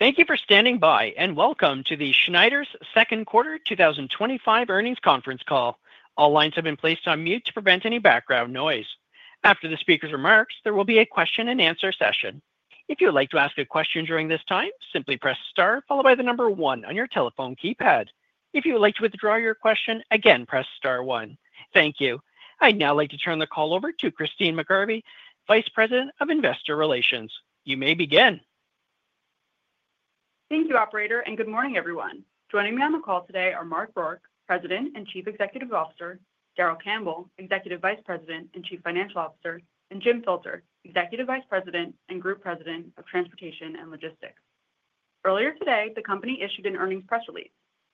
Thank you for standing by and welcome to Schneider's Second Quarter 2025 Earnings Conference Call. All lines have been placed on mute to prevent any background noise. After the speakers' remarks, there will be a question and answer session. If you would like to ask a question during this time, simply press star followed by the number one on your telephone keypad. If you would like to withdraw your question, again press star one. Thank you. I'd now like to turn the call over to Christyne McGarvey, Vice President of Investor Relations. You may begin. Thank you, operator, and good morning everyone. Joining me on the call today are Mark Rourke, President and Chief Executive Officer, Darrell Campbell, Executive Vice President and Chief Financial Officer, and Jim Filter, Executive Vice President and Group President of Transportation and Logistics. Earlier today, the company issued an earnings press release.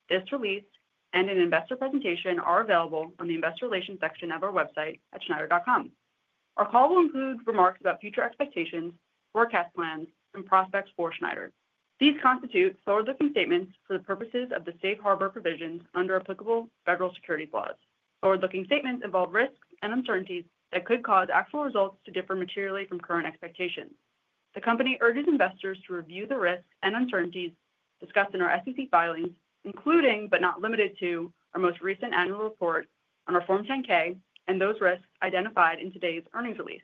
This release and an investor presentation are available on the Investor Relations section of our website. Our call will include remarks about future expectations, forecast plans, and prospects for Schneider. These constitute forward-looking statements for the purposes of the safe harbor provisions under applicable federal securities laws. Forward-looking statements involve risks and uncertainties that could cause actual results to differ materially from current expectations. The company urges investors to review the risks and uncertainties discussed in our SEC filings, including but not limited to our most recent annual report on our Form 10-K and those risks identified in today's earnings release.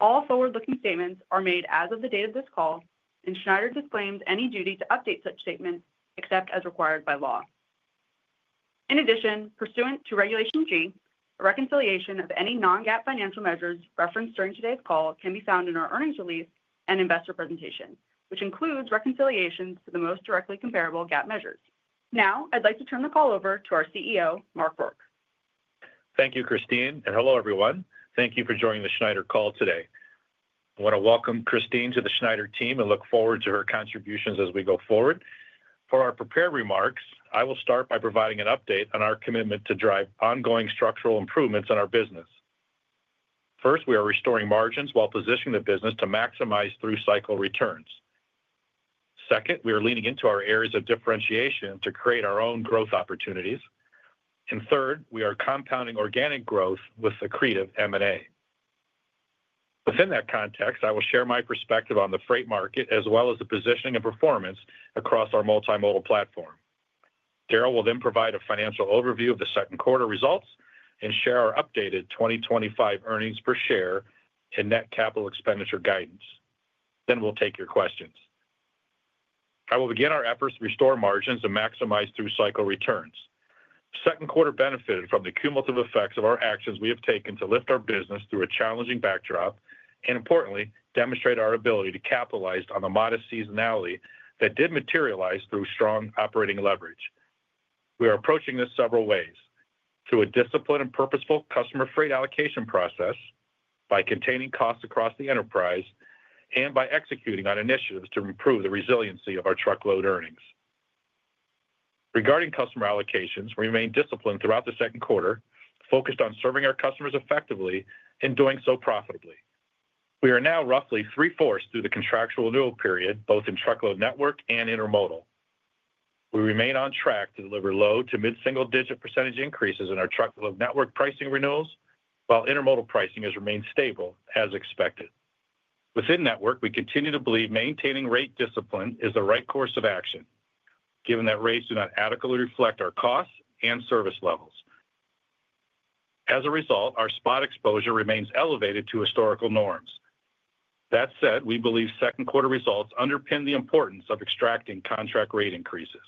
All forward-looking statements are made as of the date of this call, and Schneider disclaims any duty to update such statements except as required by law. In addition, pursuant to Regulation G, a reconciliation of any non-GAAP financial measures referenced during today's call can be found in our earnings release and investor presentation, which includes reconciliations to the most directly comparable GAAP measures. Now I'd like to turn the call over to our CEO, Mark Rourke. Thank you, Christyne, and hello everyone. Thank you for joining the Schneider call today. I want to welcome Christyne to the Schneider team and look forward to her contributions as we go forward. For our prepared remarks, I will start by providing an update on our commitment to drive ongoing structural improvements in our business. First, we are restoring margins while positioning the business to maximize through-cycle returns. Second, we are leaning into our areas of differentiation to create our own growth opportunities. Third, we are compounding organic growth with accretive M&A. Within that context, I will share my perspective on the freight market as well as the positioning and performance across our multimodal platform. Darrell will then provide a financial overview of the second quarter results and share our updated 2025 earnings per share and net capital expenditure guidance. We will then take your questions. I will begin our efforts to restore margins and maximize through-cycle returns. Second quarter benefited from the cumulative effects of our actions we have taken to lift our business through a challenging backdrop and importantly demonstrate our ability to capitalize on the modest seasonality that did materialize through strong operating leverage. We are approaching this several ways: through a disciplined and purposeful customer freight allocation process, by containing costs across the enterprise, and by executing on initiatives to improve the resiliency of our truckload earnings. Regarding customer allocations, we remain disciplined throughout the second quarter, focused on serving our customers effectively and doing so profitably. We are now roughly 3/4 through the contractual renewal period both in truckload network and intermodal. We remain on track to deliver low to mid single-digit % increases in our truckload network pricing renewals. While intermodal pricing has remained stable as expected within network, we continue to believe maintaining rate discipline is the right course of action given that rates do not adequately reflect our costs and service levels. As a result, our spot exposure remains elevated to historical norms. That said, we believe second quarter results underpin the importance of extracting contract rate increases.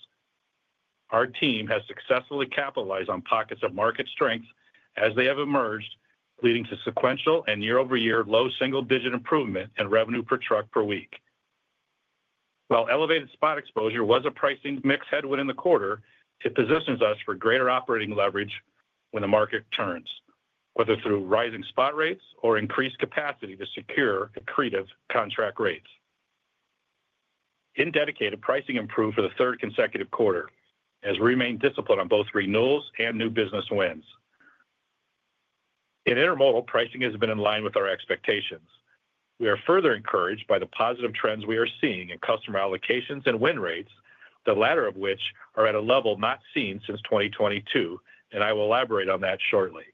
Our team has successfully capitalized on pockets of market strength as they have emerged, leading to sequential and year-over-year low single-digit improvement in revenue per truck per week. While elevated spot exposure was a pricing mix headwind in the quarter, it positions us for greater operating leverage when the market turns, whether through rising spot rates or increased capacity to secure accretive contract rates in dedicated. Pricing improved for the third consecutive quarter as we remain disciplined on both renewals and new business wins. In intermodal, pricing has been in line with our expectations. We are further encouraged by the positive trends we are seeing in customer allocations and win rates, the latter of which are at a level not seen since 2022, and I will elaborate on that shortly.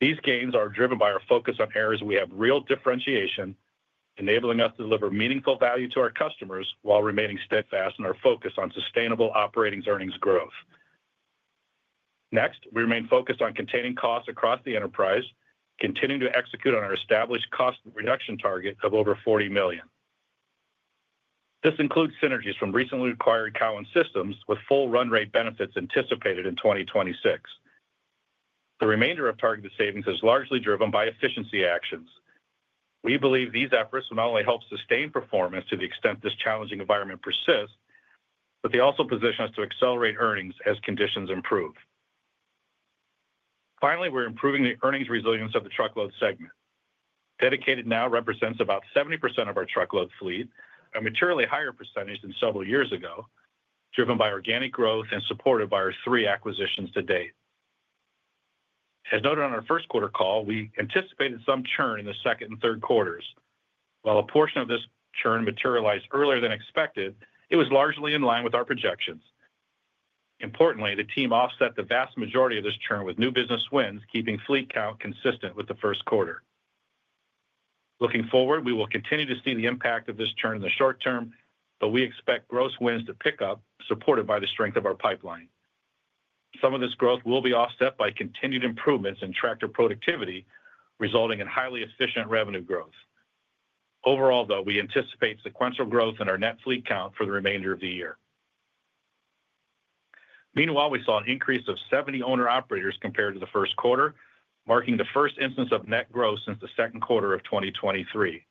These gains are driven by our focus on areas we have real differentiation, enabling us to deliver meaningful value to our customers while remaining steadfast in our focus on sustainable operating earnings growth. Next, we remain focused on containing costs across the enterprise, continuing to execute on our established cost reduction target of over $40 million. This includes synergies from recently acquired Cowan Systems, with full run rate benefits anticipated in 2026. The remainder of targeted savings is largely driven by efficiency actions. We believe these efforts will not only help sustain performance to the extent this challenging environment persists, but they also position us to accelerate earnings as conditions improve. Finally, we're improving the earnings resilience of the truckload segment. Dedicated now represents about 70% of our truckload fleet, a materially higher percentage than several years ago, driven by organic growth and supported by our three acquisitions to date. As noted on our first quarter call, we anticipated some churn in the second and third quarters. While a portion of this churn materialized earlier than expected, it was largely in line with our projections. Importantly, the team offset the vast majority of this churn with new business wins, keeping fleet count consistent with the first quarter. Looking forward, we will continue to see the impact of this churn in the short term, but we expect gross wins to pick up, supported by the strength of our pipeline. Some of this growth will be offset by continued improvements in tractor productivity, resulting in highly efficient revenue growth. Overall, though, we anticipate sequential growth in our net fleet count for the remainder of the year. Meanwhile, we saw an increase of 70 owner operators compared to the first quarter, marking the first instance of net growth since the second quarter of 2023.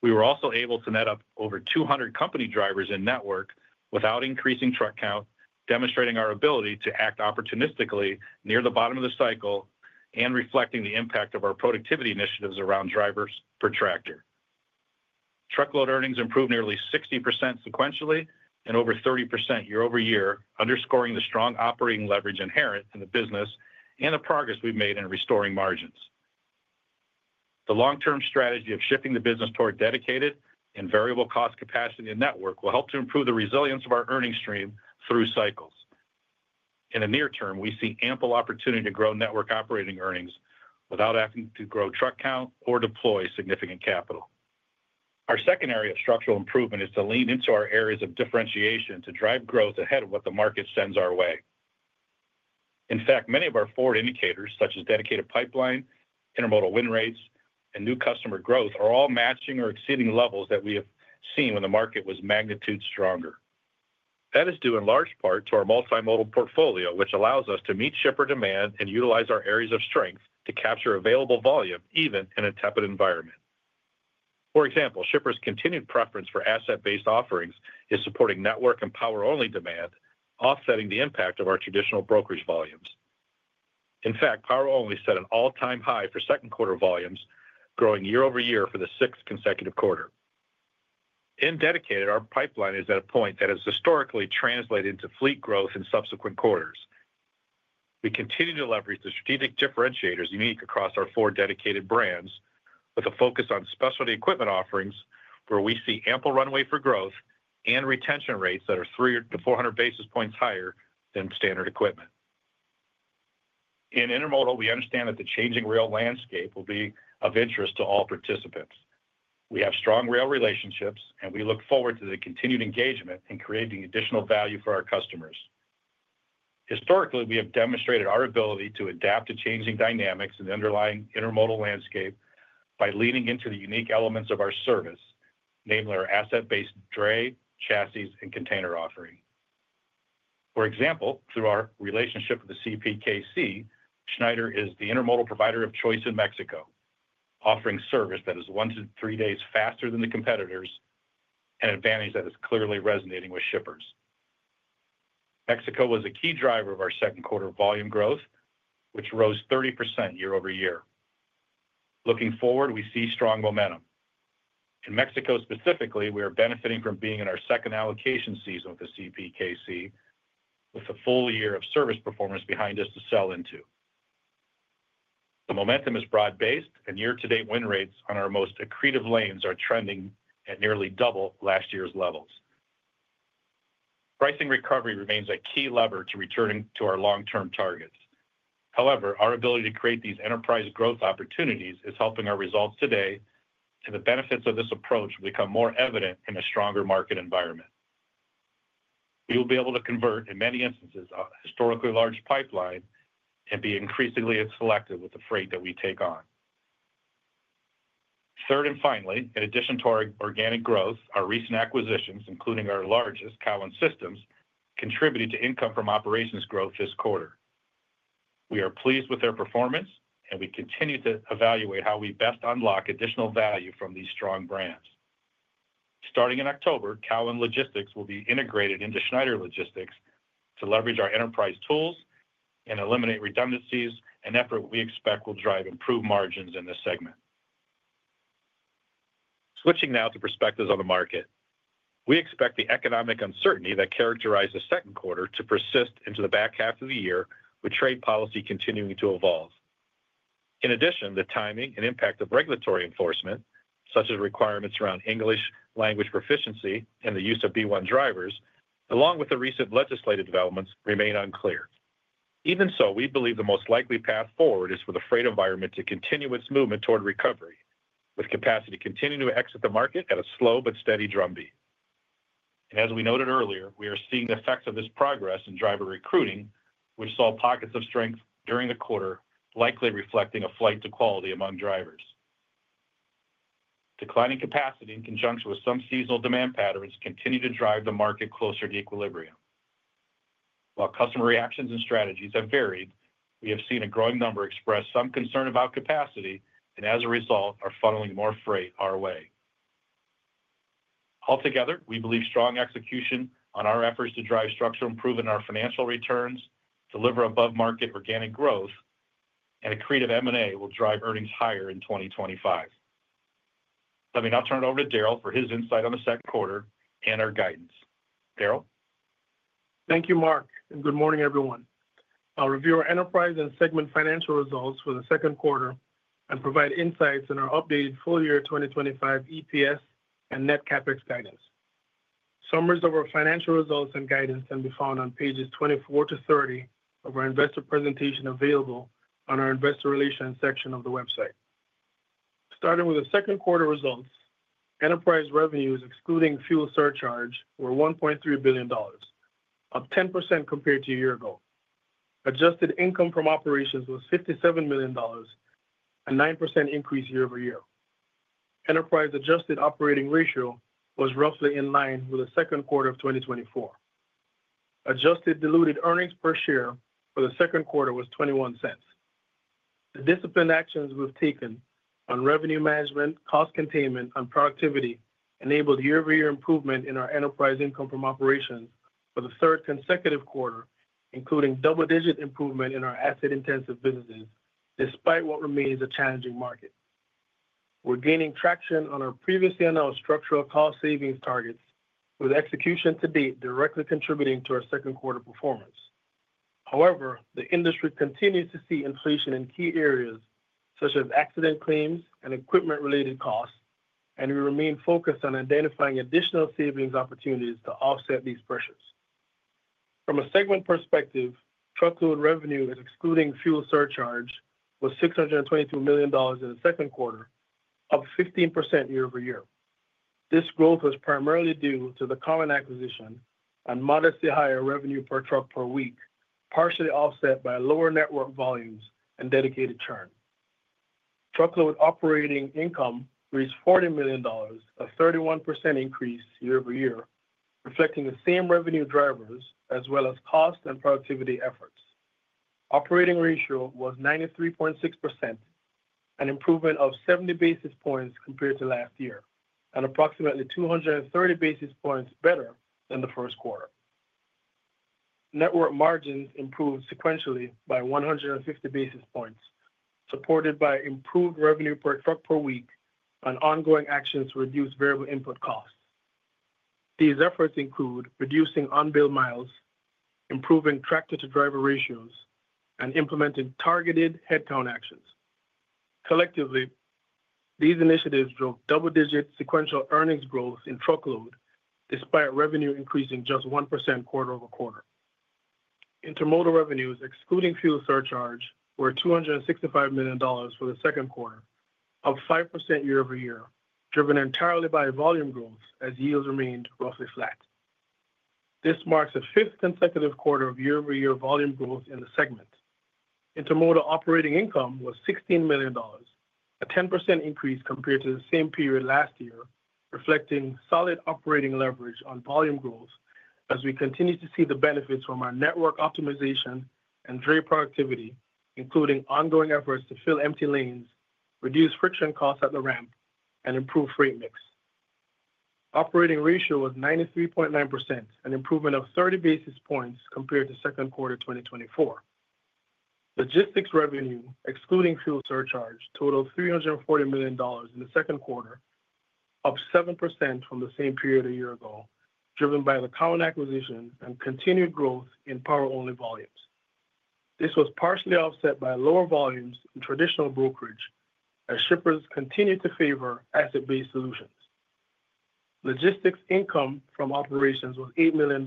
We were also able to net up over 200 company drivers in network without increasing truck count, demonstrating our ability to act opportunistically near the bottom of the cycle and reflecting the impact of our productivity initiatives around drivers per tractor. Truckload earnings improved nearly 60% sequentially and over 30% year-over-year, underscoring the strong operating leverage inherent in the business and the progress we've made in restoring margins. The long-term strategy of shifting the business toward dedicated and variable cost capacity and network will help to improve the resilience of our earnings stream through cycles. In the near term, we see ample opportunity to grow network operating earnings without having to grow truck count or deploy significant capital. Our second area of structural improvement is to lean into our areas of differentiation to drive growth ahead of what the market sends our way. In fact, many of our forward indicators such as dedicated pipeline, intermodal win rates, and new customer growth are all matching or exceeding levels that we have seen when the market was magnitude stronger. That is due in large part to our multimodal portfolio, which allows us to meet shipper demand and utilize our areas of strength to capture available volume even in a tepid environment. For example, shippers' continued preference for asset-based offerings is supporting network and power-only demand, offsetting the impact of our traditional brokerage volumes. In fact, power-only set an all-time high for second quarter volumes, growing year-over-year for the sixth consecutive quarter. In dedicated, our pipeline is at a point that has historically translated into fleet growth. In subsequent quarters, we continue to leverage the strategic differentiators unique across our four dedicated brands with a focus on specialty equipment offerings where we see ample runway for growth and retention rates that are 300-400 basis points higher than standard equipment. In intermodal, we understand that the changing rail landscape will be of interest to all participants. We have strong rail relationships and we look forward to the continued engagement in creating additional value for our customers. Historically, we have demonstrated our ability to adapt to changing dynamics in the underlying intermodal landscape by leaning into the unique elements of our service, namely our asset-based dray, chassis, and container offering. For example, through our relationship with the CPKC, Schneider is the intermodal provider of choice in Mexico, offering service that is one-three days faster than the competitors, an advantage that is clearly resonating with shippers. Mexico was a key driver of our second quarter volume growth, which rose 30% year-over-year. Looking forward, we see strong momentum in Mexico. Specifically, we are benefiting from being in our second allocation season with the CPKC, with a full year of service performance behind us to sell into. The momentum is broad-based and year to date, win rates on our most accretive lanes are trending at nearly double last year's levels. Pricing recovery remains a key lever to returning to our long-term targets. However, our ability to create these enterprise growth opportunities is helping our results today, and the benefits of this approach become more evident. In a stronger market environment, we will be able to convert in many instances historically large pipeline and be increasingly selective with the freight that we take on. Third. Finally, in addition to our organic growth, our recent acquisitions, including our largest, Cowan Systems, contributed to income from operations growth this quarter. We are pleased with their performance, and we continue to evaluate how we best unlock additional value from these strong brands. Starting in October, Cowan Logistics will be integrated into Schneider Logistics to leverage our enterprise tools and eliminate redundancies, an effort we expect will drive improved margins in this segment. Switching now to perspectives on the market, we expect the economic uncertainty that characterized the second quarter to persist into the back half of the year, with trade policy continuing to evolve. In addition, the timing and impact of regulatory enforcement, such as requirements around English language proficiency and the use of B1 drivers, along with the recent legislative developments, remain unclear. Even so, we believe the most likely path forward is for the freight environment to continue its movement toward recovery, with capacity continuing to exit the market at a slow but steady drumbeat. We are seeing the effects of this progress in driver recruiting, which saw pockets of strength during the quarter, likely reflecting a flight to quality among drivers. Declining capacity, in conjunction with some seasonal demand patterns, continues to drive the market closer to equilibrium. While customer reactions and strategies have varied, we have seen a growing number express some concern about capacity and, as a result, are funneling more freight our way. Altogether, we believe strong execution on our efforts to drive structural improvement in our financial returns, deliver above-market organic growth, and accretive M&A will drive earnings higher in 2025. Let me now turn it over to Darrell for his insight on the second quarter and our guidance. Darrell? Thank you Mark, and good morning everyone. I'll review our enterprise and segment financial results for the second quarter and provide insights in our updated full year 2025 EPS and net CapEx guidance. Summaries of our financial results and guidance can be found on pages 24-30 of our investor presentation available on our Investor Relations section of the website. Starting with the second quarter results, enterprise revenues excluding fuel surcharge were $1.3 billion, up 10% compared to a year ago. Adjusted income from operations was $57 million, a 9% increase year-over-year. Enterprise adjusted operating ratio was roughly in line with the second quarter of 2024. Adjusted diluted EPS for the second quarter was $0.21. The disciplined actions we've taken on revenue management, cost containment, and productivity enabled year-over-year improvement in our enterprise income from operations for the third consecutive quarter, including double digit improvement in our asset-based solutions. Despite what remains a challenging market, we're gaining traction on our previously announced structural cost savings targets with execution to date directly contributing to our second quarter performance. However, the industry continues to see inflation in key areas such as accident claims and equipment-related costs, and we remain focused on identifying additional savings opportunities to offset these pressures. From a segment perspective, truckload revenue excluding fuel surcharge was $622 million in the second quarter, up 15% year-over-year. This growth was primarily due to the Cowan acquisition and modestly higher revenue per truck per week, partially offset by lower network volumes and dedicated churn. Truckload operating income reached $40 million, a 31% increase year-over-year, reflecting the same revenue drivers as well as cost and productivity efforts. Operating ratio was 93.6%, an improvement of 70 basis points compared to last year and approximately 230 basis points better than the first quarter. Network margins improved sequentially by 150 basis points, supported by improved revenue per truck per week and ongoing actions to reduce variable input costs. These efforts include reducing unbilled miles, improving tractor to driver ratios, and implementing targeted headcount actions. Collectively, these initiatives drove double-digit sequential earnings growth in truckload despite revenue increasing just 1% quarter over quarter. Intermodal revenues excluding fuel surcharge were $265 million for Q2, up 5% year-over-year, driven entirely by volume growth as yields remained roughly flat. This marks the fifth consecutive quarter of year-over-year volume growth in the segment. Intermodal operating income was $16 million, a 10% increase compared to the same period last year, reflecting solid operating leverage on volume growth as we continue to see the benefits from our network optimization and dray productivity, including ongoing efforts to fill empty lanes, reduce friction costs at the ramp, and improve freight mix. Operating ratio was 93.9%, an improvement of 30 basis points compared to second quarter 2024. Logistics revenue excluding fuel surcharge totaled $340 million in the second quarter, up 7% from the same period a year ago, driven by the Cowan acquisition and continued growth in power-only volumes. This was partially offset by lower volumes in traditional brokerage as shippers continue to favor asset-based solutions. Logistics income from operations was $8 million,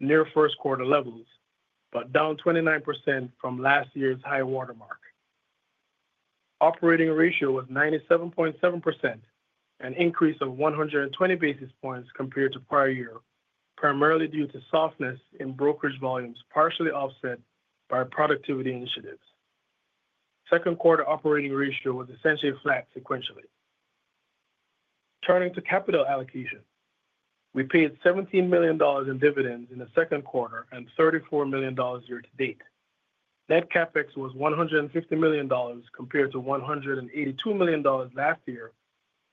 near first quarter levels but down 29% from last year's high watermark. Operating ratio was 97.7%, an increase of 120 basis points compared to prior year, primarily due to softness in brokerage volumes partially offset by productivity initiatives. Second quarter operating ratio was essentially flat. Sequentially, turning to capital allocation, we paid $17 million in dividends in the second quarter and $34 million year to date. Net CapEx was $150 million compared to $182 million last year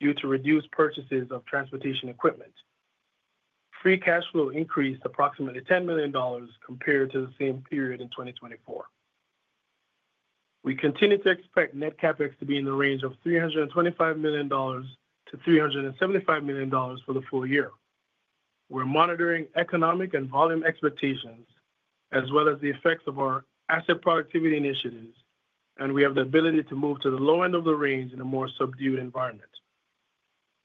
due to reduced purchases of transportation equipment. Free cash flow increased approximately $10 million compared to the same period in 2024. We continue to expect net CapEx to be in the range of $325 million-$375 million for the full year. We're monitoring economic and volume expectations as well as the effects of our asset productivity initiatives, and we have the ability to move to the low end of the range in a more subdued environment.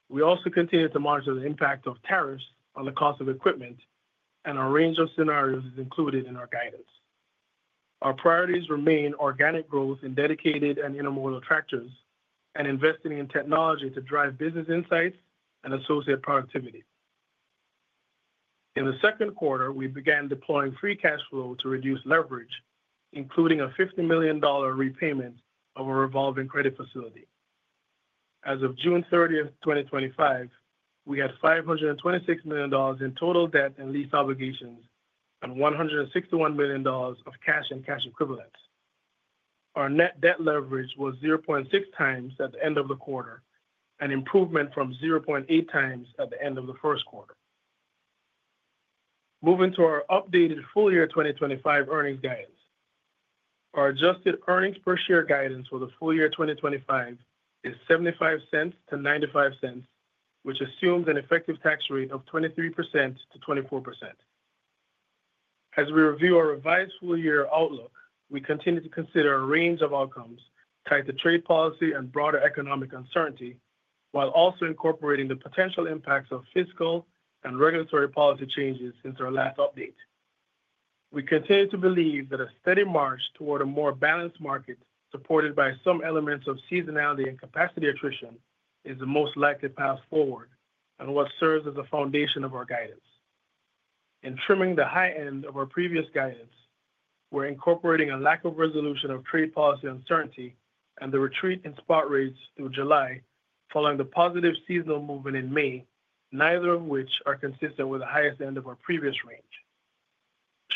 We also continue to monitor the impact of tariffs on the cost of equipment, and a range of scenarios is included in our guidance. Our priorities remain organic growth in dedicated and intermodal tractors and investing in technology to drive business insights and associate productivity. In the second quarter we began deploying free cash flow to reduce leverage, including a $50 million repayment of a revolving credit facility. As of June 30, 2025, we had $526 million in total debt and lease obligations and $161 million of cash and cash equivalents. Our net debt leverage was 0.6x at the end of the quarter, an improvement from 0.8x at the end of the first quarter. Moving to our updated full year 2025 earnings guidance, our adjusted earnings per share guidance for the full year 2025 is $0.75-$0.95, which assumes an effective tax rate of 23%-24%. As we review our revised full year outlook, we continue to consider a range of outcomes tied to trade policy and broader economic uncertainty, while also incorporating the potential impacts of fiscal and regulatory policy changes since our last update. We continue to believe that a steady march toward a more balanced market supported by some elements of seasonality and capacity attrition is the most likely path forward and what serves as a foundation of our guidance. In trimming the high end of our previous guidance, we're incorporating a lack of resolution of trade policy uncertainty and the retreat in spot rates through July following the positive seasonal movement in May, neither of which are consistent with the highest end of our previous range.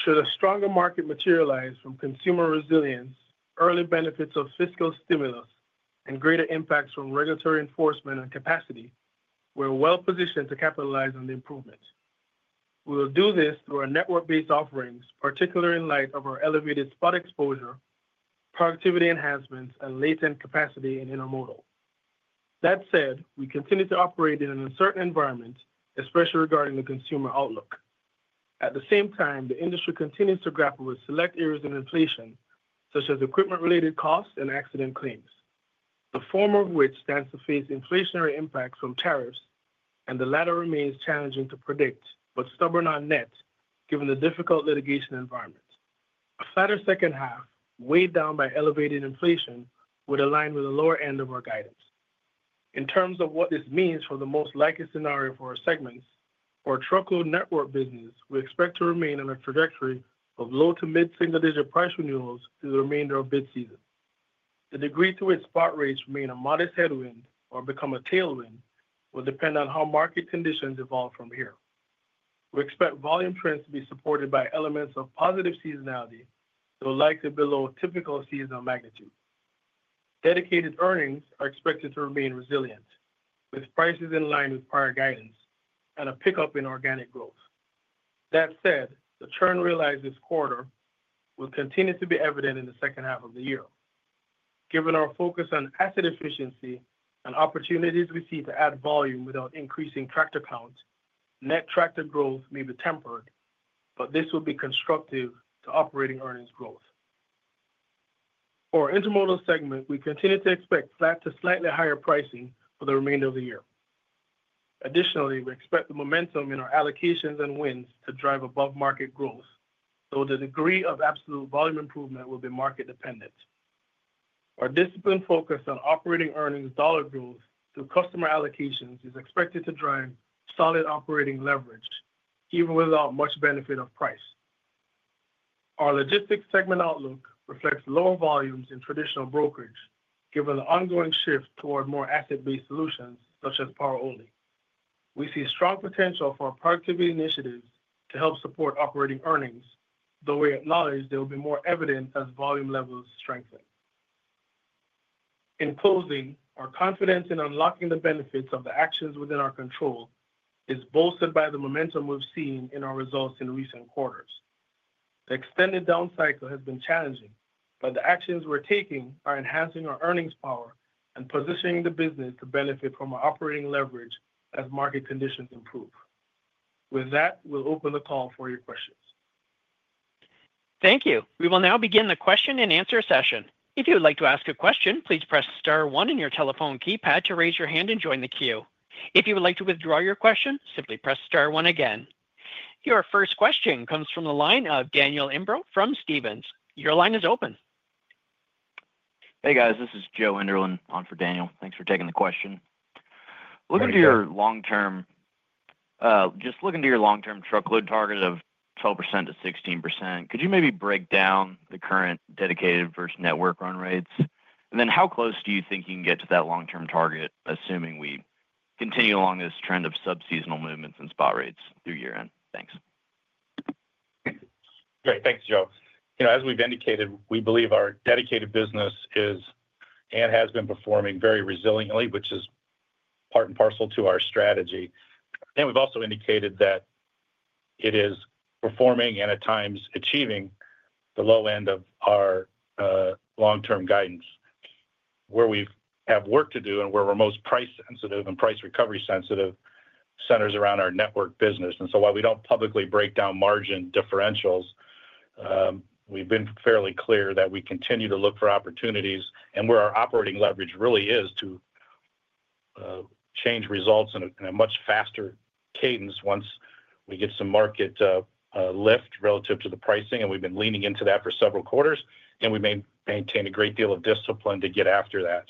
Should a stronger market materialize from consumer resilience, early benefits of fiscal stimulus, and greater impacts from regulatory enforcement and capacity, we're well positioned to capitalize on the improvement. We will do this through our network based offerings, particularly in light of our elevated spot exposure, productivity enhancements and latent capacity in intermodal. That said, we continue to operate in an uncertain environment, especially regarding the consumer outlook. At the same time, the industry continues to grapple with select areas of inflation such as equipment related costs and accident claims, the former of which stands to face inflationary impacts from tariffs and the latter remains challenging to predict but stubborn on net given the difficult litigation environment. A flatter second half weighed down by elevated inflation would align with the lower end of our guidance. In terms of what this means for the most likely scenario for our segments or truckload network business, we expect to remain on a trajectory of low to mid single digit price renewals through the remainder of bid season. The degree to which spot rates remain a modest headwind or become a tailwind will depend on how market conditions evolve. From here, we expect volume trends to be supported by elements of positive seasonality, though likely below typical seasonal magnitude. Dedicated earnings are expected to remain resilient with prices in line with prior guidance and a pickup in organic growth. That said, the churn realized this quarter will continue to be evident in the second half of the year. Given our focus on asset efficiency and opportunities we see to add volume without increasing tractor count, net tractor growth may be tempered, but this will be constructive to operating earnings growth for the intermodal segment. We continue to expect flat to slightly higher pricing for the remainder of the year. Additionally, we expect the momentum in our allocations and wins to drive above market growth, though the degree of absolute volume improvement will be market dependent. Our disciplined focus on operating earnings dollar growth through customer allocations is expected to drive solid operating leverage even without much benefit of price. Our logistics segment outlook reflects lower volumes in traditional brokerage. Given the ongoing shift toward more asset-based solutions such as power-only, we see strong potential for productivity initiatives to help support operating earnings, though we acknowledge they will be more evident as volume levels strengthen. In closing, our confidence in unlocking the benefits of the actions within our control is bolstered by the momentum we've seen in our results in recent quarters. The extended down cycle has been challenging, but the actions we're taking are enhancing our earnings power and positioning the business to benefit from our operating leverage as market conditions improve. With that, we'll open the call for your questions. Thank you. We will now begin the question and answer session. If you would like to ask a question, please press star one on your telephone keypad to raise your hand and join the queue. If you would like to withdraw your question, simply press star one again. Your first question comes from the line of Daniel Imbro from Stephens. Your line is open. Hey guys, this is Joe Enderlin on for Daniel. Thanks for taking the question. Looking into your long term, just looking to your long term truckload target of 12%-16%, could you maybe break down the current dedicated versus network run rates, and then how close do you think you can get to that long term target? Assuming we continue along this trend of sub seasonal movements and spot rates through year end. Thanks. Great. Thanks, Joe. As we've indicated, we believe our dedicated business is and has been performing very resiliently, which is part and parcel to our strategy. We've also indicated that it is performing and at times achieving the low end of our long-term guidance. Where we have work to do and where we're most price sensitive and price recovery sensitive centers around our network business. While we don't publicly break down margin differentials, we've been fairly clear that we continue to look for opportunities and where our operating leverage really is to change results in a much faster cadence once we get some market lift relative to the pricing, and we've been leaning into that for several quarters. We maintain a great deal of discipline to get after that.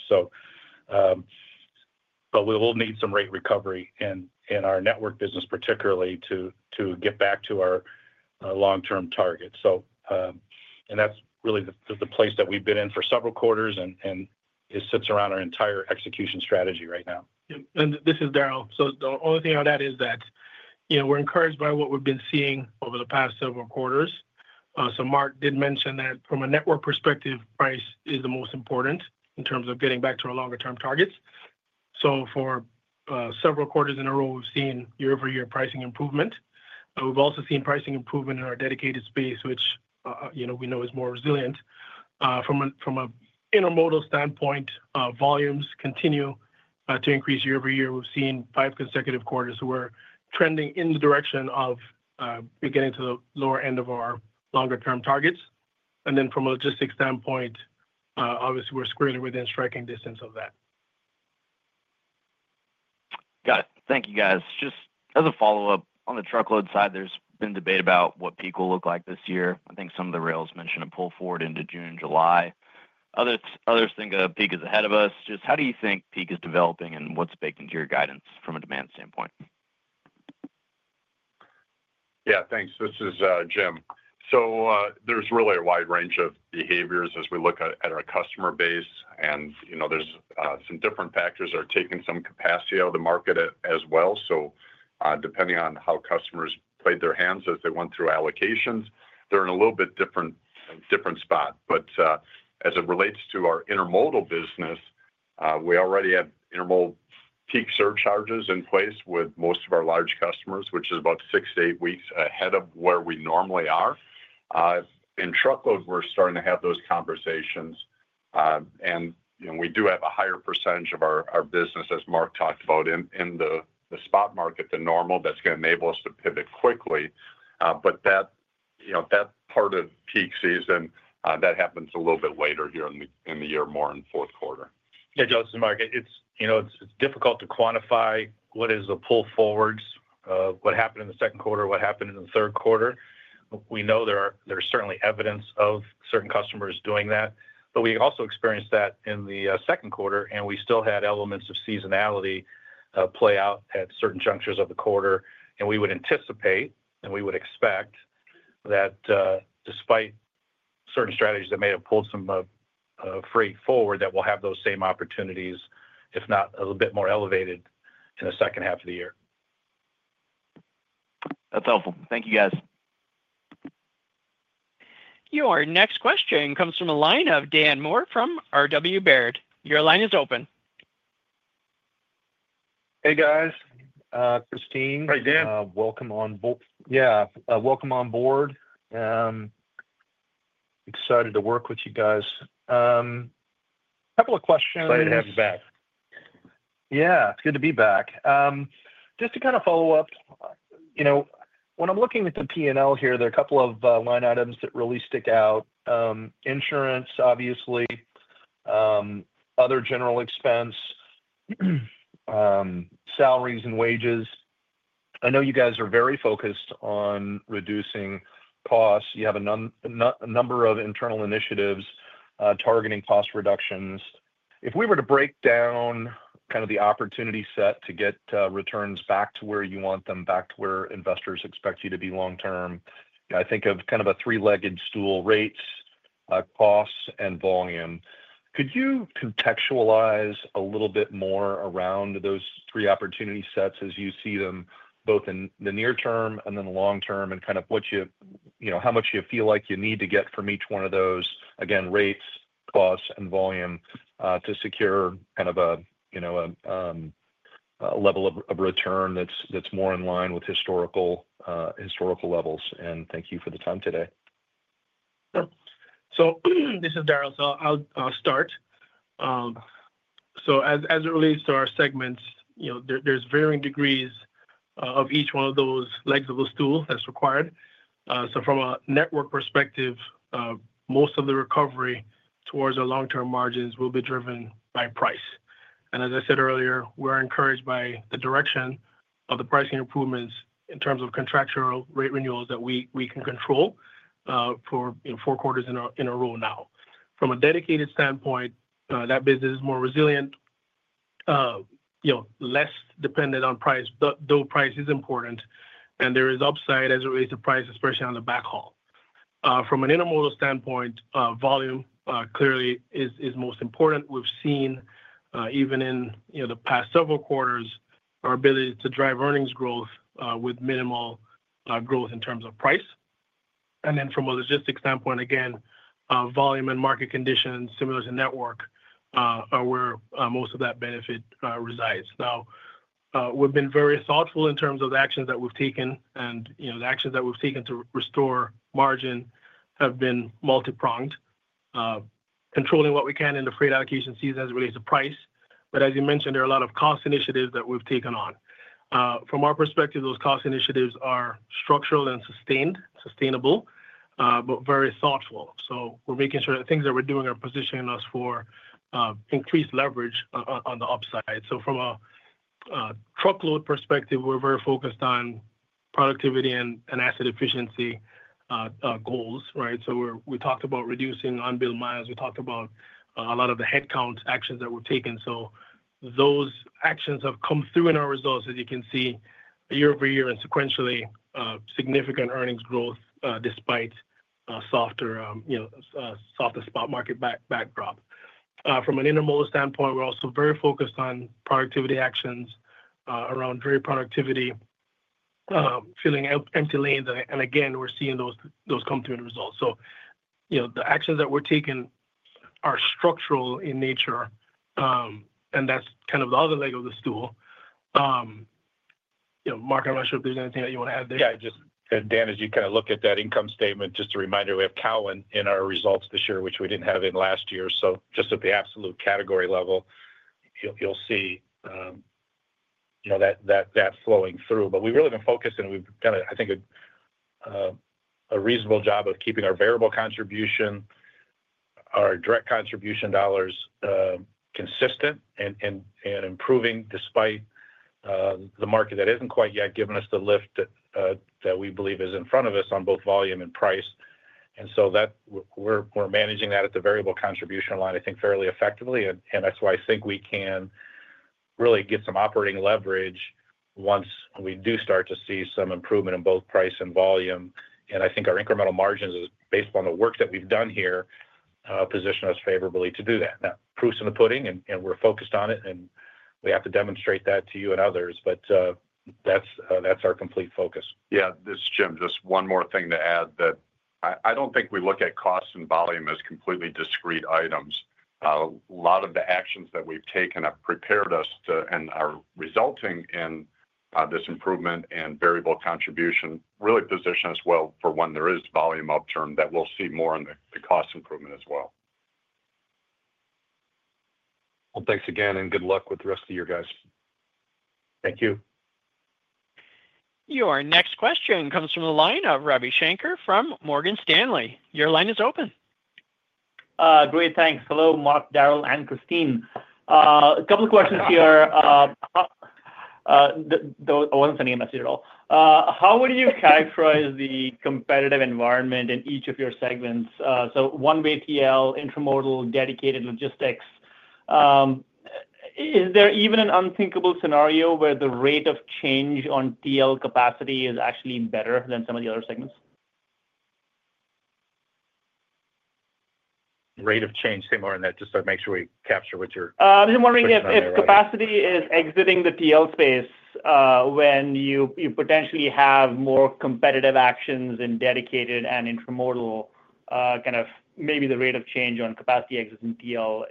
We will need some rate recovery in our network business, particularly to get back to our long-term target, and that's really the place that we've been in for several quarters. It sits around our entire execution strategy right now. This is Darrell. The only thing I would add is that we're encouraged by what we've been seeing over the past several quarters. Mark did mention that from a network perspective, price is the most important in terms of getting back to our longer term targets. For several quarters in a row, we've seen year-over-year pricing improvement. We've also seen pricing improvement in our dedicated space, which we know is more resilient. From an intermodal standpoint, volumes continue to increase year-over-year. We've seen five consecutive quarters. We're trending in the direction of beginning to the lower end of our longer term targets. From a logistics standpoint, obviously we're squarely within striking distance of that. Got it. Thank you, guys. Just as a follow-up on the truckload side, there's been debate about what peak will look like this year. I think some of the rails mentioned a pull forward into June and July. Others think peak is ahead of us. Just how do you think peak is developing and what's baked into your guidance from a demand standpoint? Yeah, thanks. This is Jim. There's really a wide range of behaviors as we look at our customer base. There are some different factors taking some capacity out of the market as well. Depending on how customers played their hands as they went through allocations, they're in a little bit different spot. As it relates to our intermodal business, we already have intermodal peak surcharges in place with most of our large customers, which is about six-eight weeks ahead of where we normally are in truckload. We're starting to have those conversations, and we do have a higher percentage of our business, as Mark talked about, in the spot market than normal. That's going to enable us to pivot quickly. That part of peak season happens a little bit later here in the year, more in fourth quarter. Yeah, Joe, this is Mark. It's difficult to quantify what is the pull forwards, what happened in the second quarter, what happened in the third quarter. We know there is certainly evidence of certain customers doing that, but we also experienced that in the second quarter, and we still had elements of seasonality play out at certain junctures of the quarter. We would anticipate and we would expect that despite certain strategies that may have pulled some freight forward, we will have those same opportunities, if not a little bit more elevated, in the second half of the year. That's helpful. Thank you, guys. Your next question comes from the line of Dan Moore from R.W. Baird. Your line is open. Hey guys. Christyne. Hi, Dan. We lcome on board. Excited to work with you guys. Couple of questions Back. Yeah, it's good to be back. Just to follow up, you. When I'm looking at the P&L here, there are a couple of line items that really stick out. Insurance, obviously, other general expense, salaries and wages. I know you guys are very focused on reducing costs. You have a number of internal initiatives targeting cost reductions. If we were to break down the opportunity set to get returns back to where you want them, back to where investors expect you to be long term, I think of a three-legged stool: rates, costs, and volume. Could you contextualize a little bit more around those three opportunity sets as you see them both in the near term and then the long term, and how much you feel like you need to get from each one of those—again, rates, costs, and volume—to secure a level of return that's more in line with historical levels. Thank you for the time today. This is Darrell, so I'll start. As it relates to our segments, there's varying degrees of each one of those legs of the stool that's required. From a network perspective, most of the recovery towards our long-term margins will be driven by price. As I said earlier, we're encouraged by the direction of the pricing improvements in terms of contractual rate renewals that we can control for four quarters in a row. From a dedicated standpoint, that business is more resilient, less dependent on price, though price is important and there is upside as it relates to price, especially on the backhaul. From an intermodal standpoint, volume clearly is most important. We've seen even in the past several quarters our ability to drive earnings growth with minimal growth in terms of price. From a logistics standpoint, again, volume and market conditions similar to network are where most of that benefit resides. We've been very thoughtful in terms of the actions that we've taken and the actions that we've taken to restore margin have been multi-pronged, controlling what we can in the freight allocation season as it relates to price. As you mentioned, there are a lot of cost initiatives that we've taken on. From our perspective, those cost initiatives are structural and sustainable, but very thoughtful. We're making sure that things that we're doing are positioning us for increased leverage on the upside. From a truckload perspective, we're very focused on productivity and asset efficiency goals. We talked about reducing unbilled miles. We talked about a lot of the headcount actions that were taken. Those actions have come through in our results, as you can see, year-over-year and sequentially significant earnings growth despite a softer spot market backdrop. From an intermodal standpoint, we're also very focused on productivity actions around filling empty lanes. We're seeing those come through the results. The actions that we're taking are structural in nature, and that's kind of the other leg of the stool. Mark, I'm not sure if there's anything that you want to add there. Yeah, just Dan, as you kind of look at that income statement, just a reminder, we have Cowan in our results this year, which we didn't have in last year. Just at the absolute category level, you'll see that flowing through. We've really been focused and we've done, I think, a reasonable job of keeping our variable contribution, our direct contribution dollars consistent and improving despite the market that isn't quite yet giving us the lift that we believe is in front of us on both volume and price. We're managing that at the variable contribution line, I think fairly effectively. That's why I think we can really get some operating leverage once we do start to see some improvement in both price and volume. I think our incremental margins based on the work that we've done here position us favorably to do that now. Proof's in the pudding, and we're focused on it and we have to demonstrate that to you and others, but that's our complete focus. Yeah, this is Jim. Just one more thing to add that I don't think we look at cost and volume as completely discrete items. A lot of the actions that we've taken have prepared us and are resulting in this improvement. Variable contribution really positions us well for when there is volume upturn, that we'll see more in the cost improvement as well. Thanks again and good luck with it. The rest of you guys. Thank you. Your next question comes from the line of Ravi Shanker from Morgan Stanley. Your line is open. Great, thanks. Hello, Mark, Darrell and Christyne, a couple of questions here. How would you characterize the competitive environment in each of your segments? One way, truckload, intermodal, dedicated, logistics. Is there even an unthinkable scenario where the rate of change on truckload capacity is actually better than some of the other segments? Rate of change similar in that, just to make sure we capture what. You're wondering if capacity is exiting the truckload space when you potentially have more competitive actions in dedicated and intermodal, kind. Maybe the rate of change on. Capacity exits and truckload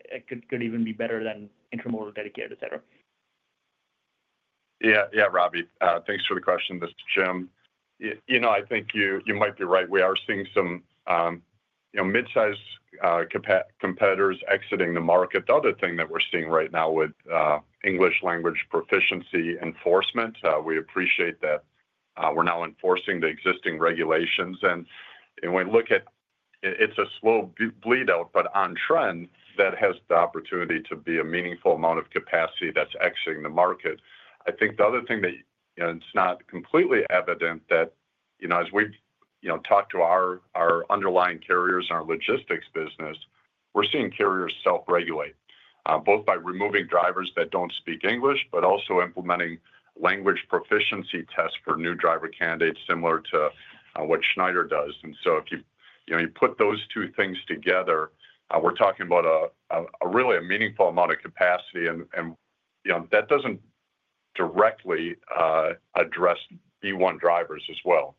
could even be. Better than intermodal, dedicated, etc. Yeah, Ravi thanks for the question. This is Jim. I think you might be right. We are seeing some mid-sized competitors exiting the market. The other thing that we're seeing right now with English language proficiency enforcement, we appreciate that we're now enforcing the existing regulations, and we look at it as a slow bleed out, but on trend that has the opportunity to be a meaningful amount of capacity that's exiting the market. I think the other thing that is not completely evident is that as we talk to our underlying carriers and our logistics business, we're seeing carriers self-regulate both by removing drivers that don't speak English, but also implementing language proficiency tests for new driver candidates similar to what Schneider does. If you put those two things together, we're talking about really a meaningful amount of capacity, and that doesn't directly address B1 drivers as well,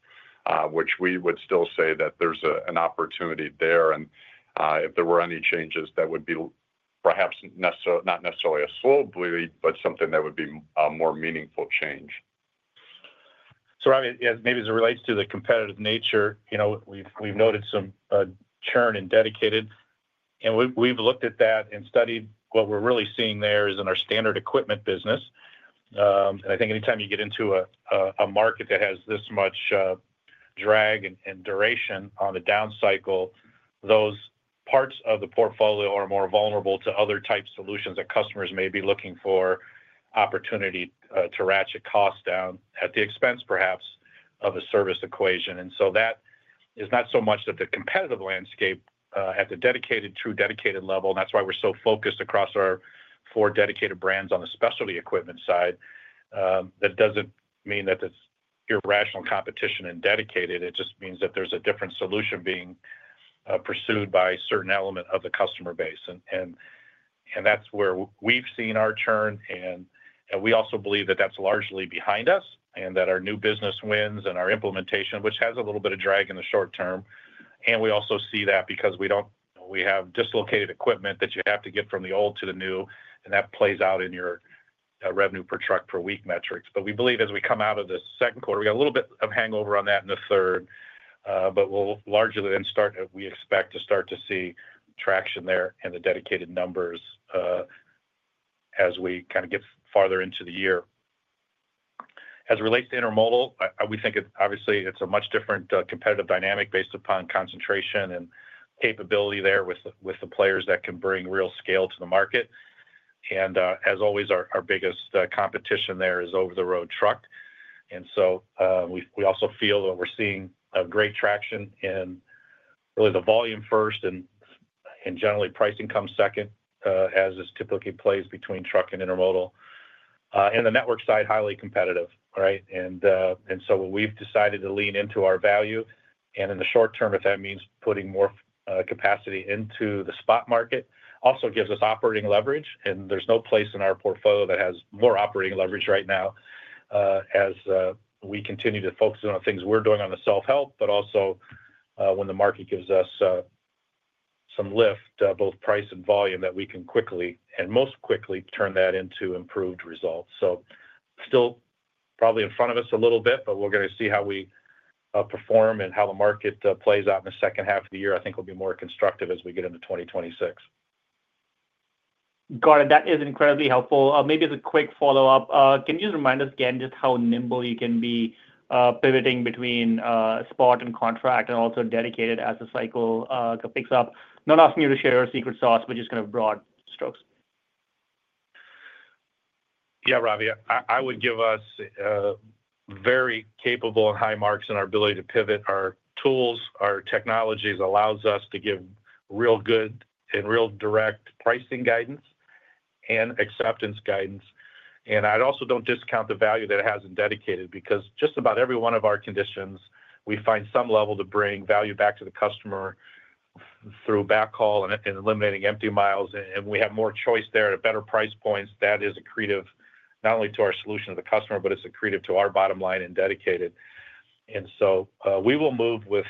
which we would still say that there's an opportunity there, and if there were any changes, that would be perhaps not necessarily a slow bleed, but something that would be a more meaningful change. Ravi, maybe as it relates to the competitive nature, we've noted some churn in dedicated and we've looked at that and studied what we're really seeing there is in our standard equipment business. I think anytime you get into a market that has this much drag and duration on the down cycle, those parts of the portfolio are more vulnerable to other type solutions that customers may be looking for, opportunity to ratchet cost down at the expense perhaps of a service equation. That is not so much the competitive landscape at the dedicated, true dedicated level. That's why we're so focused across our four dedicated brands on the specialty equipment side. That doesn't mean that it's irrational competition in dedicated. It just means that there's a different solution being pursued by a certain element of the customer base. That's where we've seen our churn. We also believe that that's largely behind us and that our new business wins and our implementation, which has a little bit of drag in the short term, we also see that because we don't have dislocated equipment that you have to get from the old to the new and that plays out in your revenue per truck per week metrics. We believe as we come out of the second quarter, we got a little bit of hangover on that in the third, but we'll largely then start. We expect to start to see traction there in the dedicated numbers. As we. Kind of get farther into the year. As relates to intermodal, we think obviously it's a much different competitive dynamic based upon concentration and capability there with the players that can bring real scale to the market. Our biggest competition there is over the road truck. We also feel that we're seeing great traction in really the volume first and third and generally pricing comes second as this typically plays between truck and intermodal and the network side. Highly competitive. Right. We have decided to lean into our value, and in the short term, if that means putting more capacity into the spot market, it also gives us operating leverage. There is no place in our portfolio that has more operating leverage right now as we continue to focus on the things we're doing on the self help, but also when the market gives us some lift, both price and volume, we can quickly and most quickly turn that into improved results. This is still probably in front of us a little bit, but we are going to see how we perform and how the market plays out in the second half of the year. I think we will be more constructive as we get into 2026. Got it. That is incredibly helpful. Maybe as a quick follow-up, can you remind us again just how nimble you can be pivoting between spot and contract and also dedicated as the cycle picks up? Not asking you to share a secret. But just kind of broad strokes. Yeah, Ravi. I would give us very capable and high marks in our ability to pivot. Our tools, our technologies allow us to give real good and real direct pricing guidance and acceptance guidance. I also don't discount the value that it has in dedicated because just about every one of our conditions we find some level to bring value back to the customer through backhaul and eliminating empty miles. We have more choice there at better price points. That is accretive not only to our solution to the customer, but it's accretive to our bottom line in dedicated. We will move with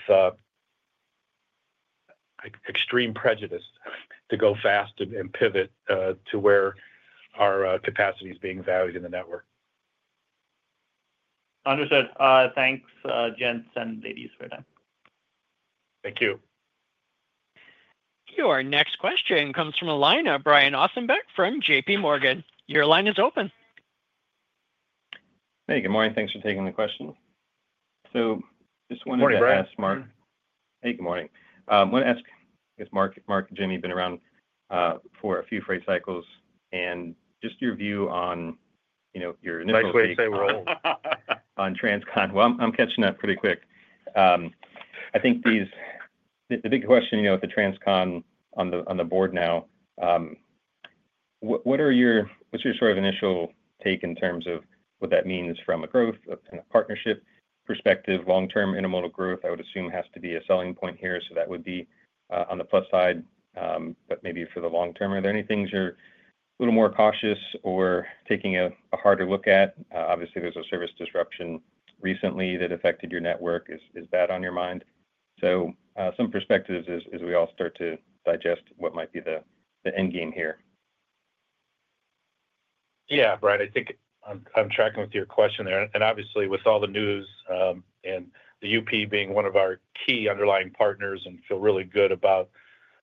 extreme prejudice to go fast and pivot to where our capacity is being valued in the network. Understood. Thanks, gents and ladies, for your time. Thank you. Your next question comes from a line of Brian Ossenbeck from JPMorgan. Your line is open. Hey, good morning. Thanks for taking the question. I just wanted to ask Mark. I want to ask if Mark, Mark, Jimmy, been around for a few freight cycles and just your view on, you know, your initial. Nice way to say we're old. On transcon. I'm catching up pretty quick. I think the big question, you know, with the transcon on the board now. What are your, what's. Your sort of initial take in terms of what that means from a growth and a partnership perspective? Long term intermodal growth I would assume has to be a selling point here. That would be on the plus side, but maybe for the long term, are there any things you're a little more cautious or taking a harder look at? Obviously there's a service disruption recently that affected your network is bad on your mind. Some perspectives as we all start to digest what might be the end game here. Yeah, Brian, I think I'm tracking with your question there, and obviously with all the news and UP being one of our key underlying partners, I feel really good about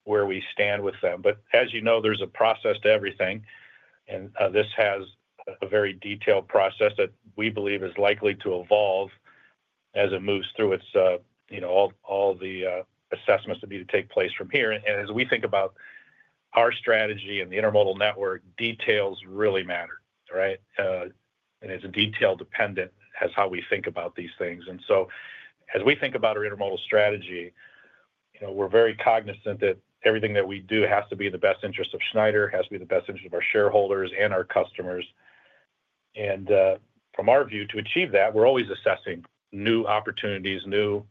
where we stand with them. As you know, there's a process to everything, and this has a very detailed process that we believe is likely to evolve as it moves through all the assessments that need to take place from here. As we think about our strategy and the intermodal network, details really matter. Right. It is detail dependent as how we think about these things. As we think about our intermodal strategy, we're very cognizant that everything that we do has to be in the best interest of Schneider has to be the best interest of our shareholders and our customers. From our view to achieve that, we're always assessing new opportunities, new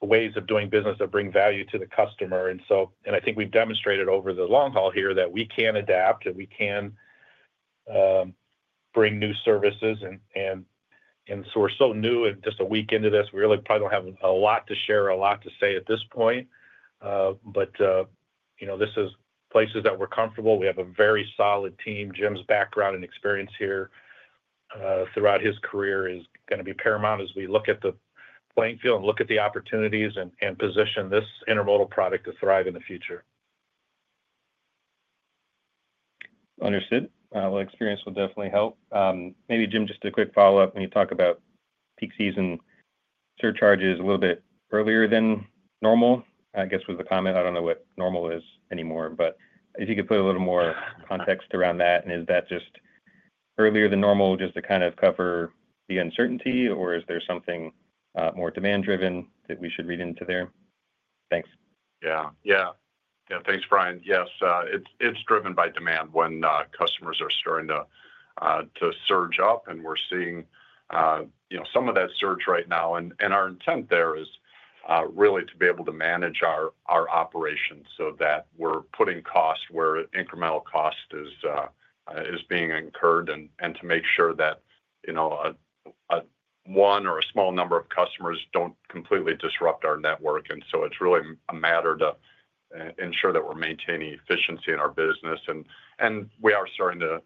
ways of doing business that bring value to the customer. I think we've demonstrated over the long haul here that we can adapt and we can bring new services. We're so new and just a week into this, we really probably don't have a lot to share, a lot to say at this point. This is places that we're comfortable. We have a very solid team. Jim's background and experience here throughout his career is to be paramount as we look at the playing field and look at the opportunities and position this intermodal product to thrive in the future. Understood. Experience will definitely help maybe. Jim, just a quick follow-up. When you talk about peak season surcharges a little bit earlier than normal, I guess, was the comment. I don't know what normal is anymore, but if you could put a little more context around that. Is that just earlier than normal just to kind of cover the uncertainty, or is there something more demand driven that we should read into there? Thanks. Yeah, thanks, Brian. Yes, it's driven by demand when customers are starting to surge up. We're seeing some of that surge right now. Our intent there is really to be able to manage our operations so that we're putting costs where incremental cost is being incurred and to make sure that one or a small number of customers don't completely disrupt our network. It's really a matter to ensure that we're maintaining efficiency in our business. We are starting to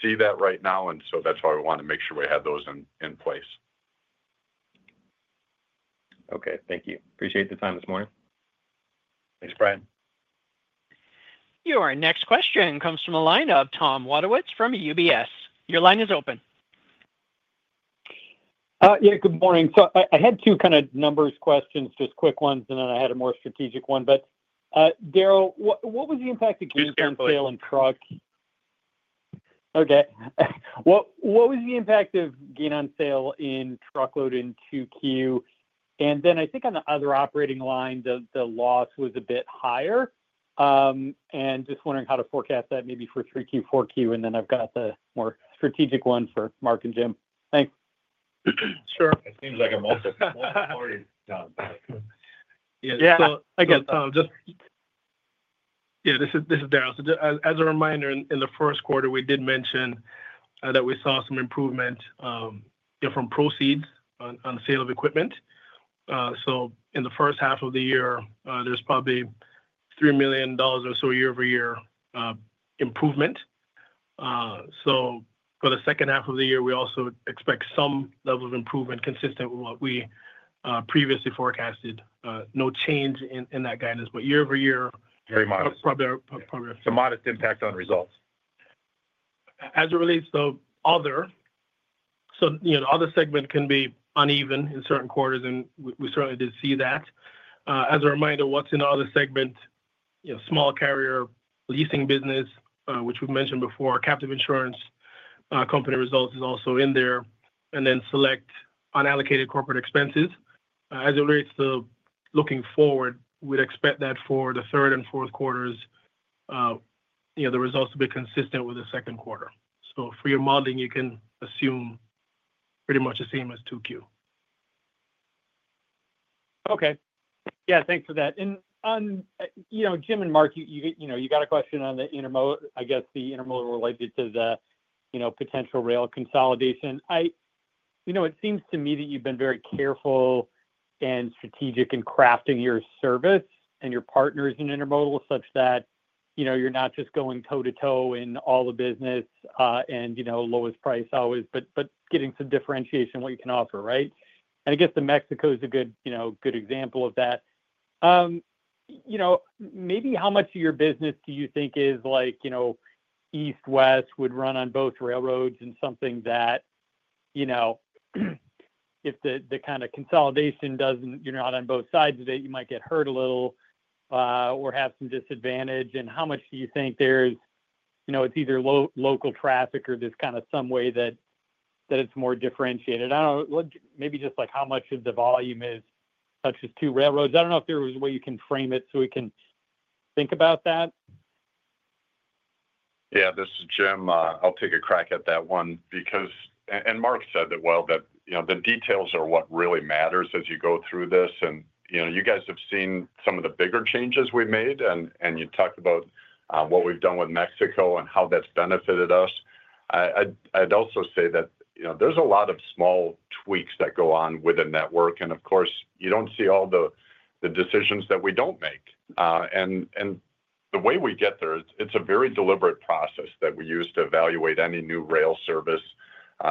see that right now, and that's why we want to make sure we have those in place. Okay, thank you. Appreciate the time this morning. Thanks, Brian. Your next question comes from a line of Tom Wadewitz from UBS. Your line is open. Good morning. I had two kind of numbers questions, just quick ones, and then I had a more strategic one. Darrell, what was the impact of gain on sale in truckload in Q2, and what was the impact of gain on sale in truckload in Q2? I think on the other operating line the loss was a bit higher. I am just wondering how to forecast that maybe for Q3 and Q4. I have the more strategic one for Mark and Jim. Thanks. Sure. It seems like a multiple. Again, Tom, this is Darrell. As a reminder, in the first quarter we did mention that we saw some improvement, different proceeds on sale of equipment. In the first half of the year there's probably $3 million or so year-over-year improvement. For the second half of the year we also expect some level of improvement consistent with what we previously forecasted. No change in that guidance, but year-over-year Very modest, probably a modest. Impact on results. as it relates to other. Other segment can be uneven in certain quarters and we certainly did see that. As a reminder, what's in other segment, small carrier leasing business, which we've mentioned before, captive insurance company results is also in there, and then select unallocated corporate expenses. As it relates to looking forward, we'd expect that for the third and fourth quarters, the results will be consistent. With the second quarter. For your modeling, you can assume pretty much the same as 2Q. Okay, yeah, thanks for that. Jim and Mark, you got a question on the intermodal, I guess the intermodal related to the potential rail consolidation. I. It seems to me that you've been very careful and strategic in crafting your service and your partners in intermodal such that you're not just going toe to toe in all the business and lowest price always, but getting some differentiation in what you can offer. I guess Mexico is a good example of that. Maybe how much of your business do you think is east-west, would run on both railroads, and something that if the kind of consolidation doesn't, you're not on both sides of it, you might get hurt a little bit or have some disadvantage. How much do you think there's either local traffic or there's kind of some way that it's more differentiated? I don't know, maybe just how much of the volume is such as two railroads. I don't know if there was a way you can frame it so we can think about that. Yeah, this is Jim. I'll take a crack at that one. As Mark said, the details are what really matters as you go through this. You guys have seen some of the bigger changes we've made, and you talked about what we've done with Mexico and how that's benefited us. I'd also say that there's a lot of small tweaks that go on within that work. Of course, you don't see all the decisions that we don't make and the way we get there. It's a very deliberate process that we use to evaluate any new rail service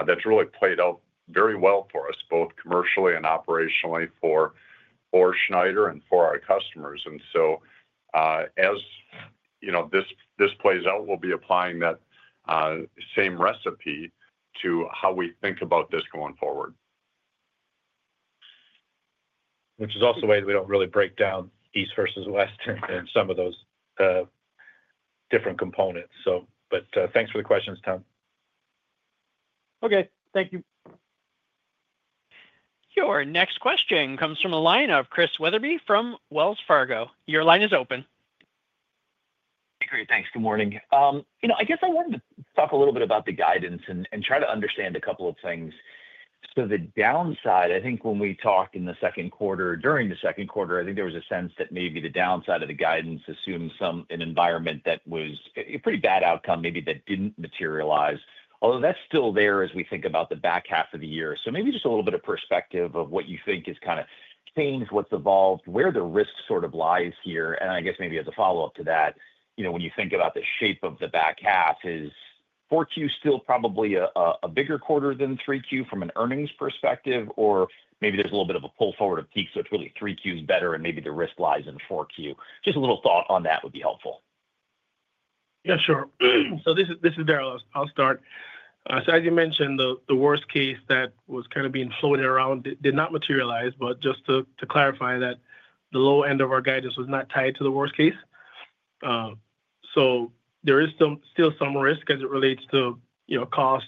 that's really played out very well for us, both commercially and operationally, for Schneider and for our customers. As this plays out, we'll be applying that same recipe to how we think about this going. Forward. Which is also a way that we don't really break down east versus west and some of those different components. But. Thanks for the questions, Tom. Okay, thank you. Your next question comes from the line of Chris Wetherbee from Wells Fargo. Your line is open. Great, thanks. Good morning. I wanted to talk a. little bit about the guidance and try to understand a couple of things. The downside, I think when we talk in the second quarter, during the second quarter, I think there was a sense that maybe the downside of the guidance assumed an environment that was a pretty bad outcome, maybe that didn't materialize, although that's still there as we think about the back half of the year. Maybe just a little bit of. Perspective of what you think is kind of changed, what's evolved, where the risk sort of lies here. I guess maybe as a follow up to that, you know, when you think about the shape of the back half, is 4Q still probably a bigger. Quarter than 3Q from an earnings perspective. Maybe there's a little bit of. A pull forward of peak, so it's. Really, 3Q is better and maybe the risk lies in 4Q. Just a little thought on that would be helpful. Yeah, sure. This is Darrell, I'll start. As you mentioned, the worst case that was kind of being floated around did not materialize. Just to clarify, the low end of our guidance was not tied to the worst case. There is still some risk as it relates to cost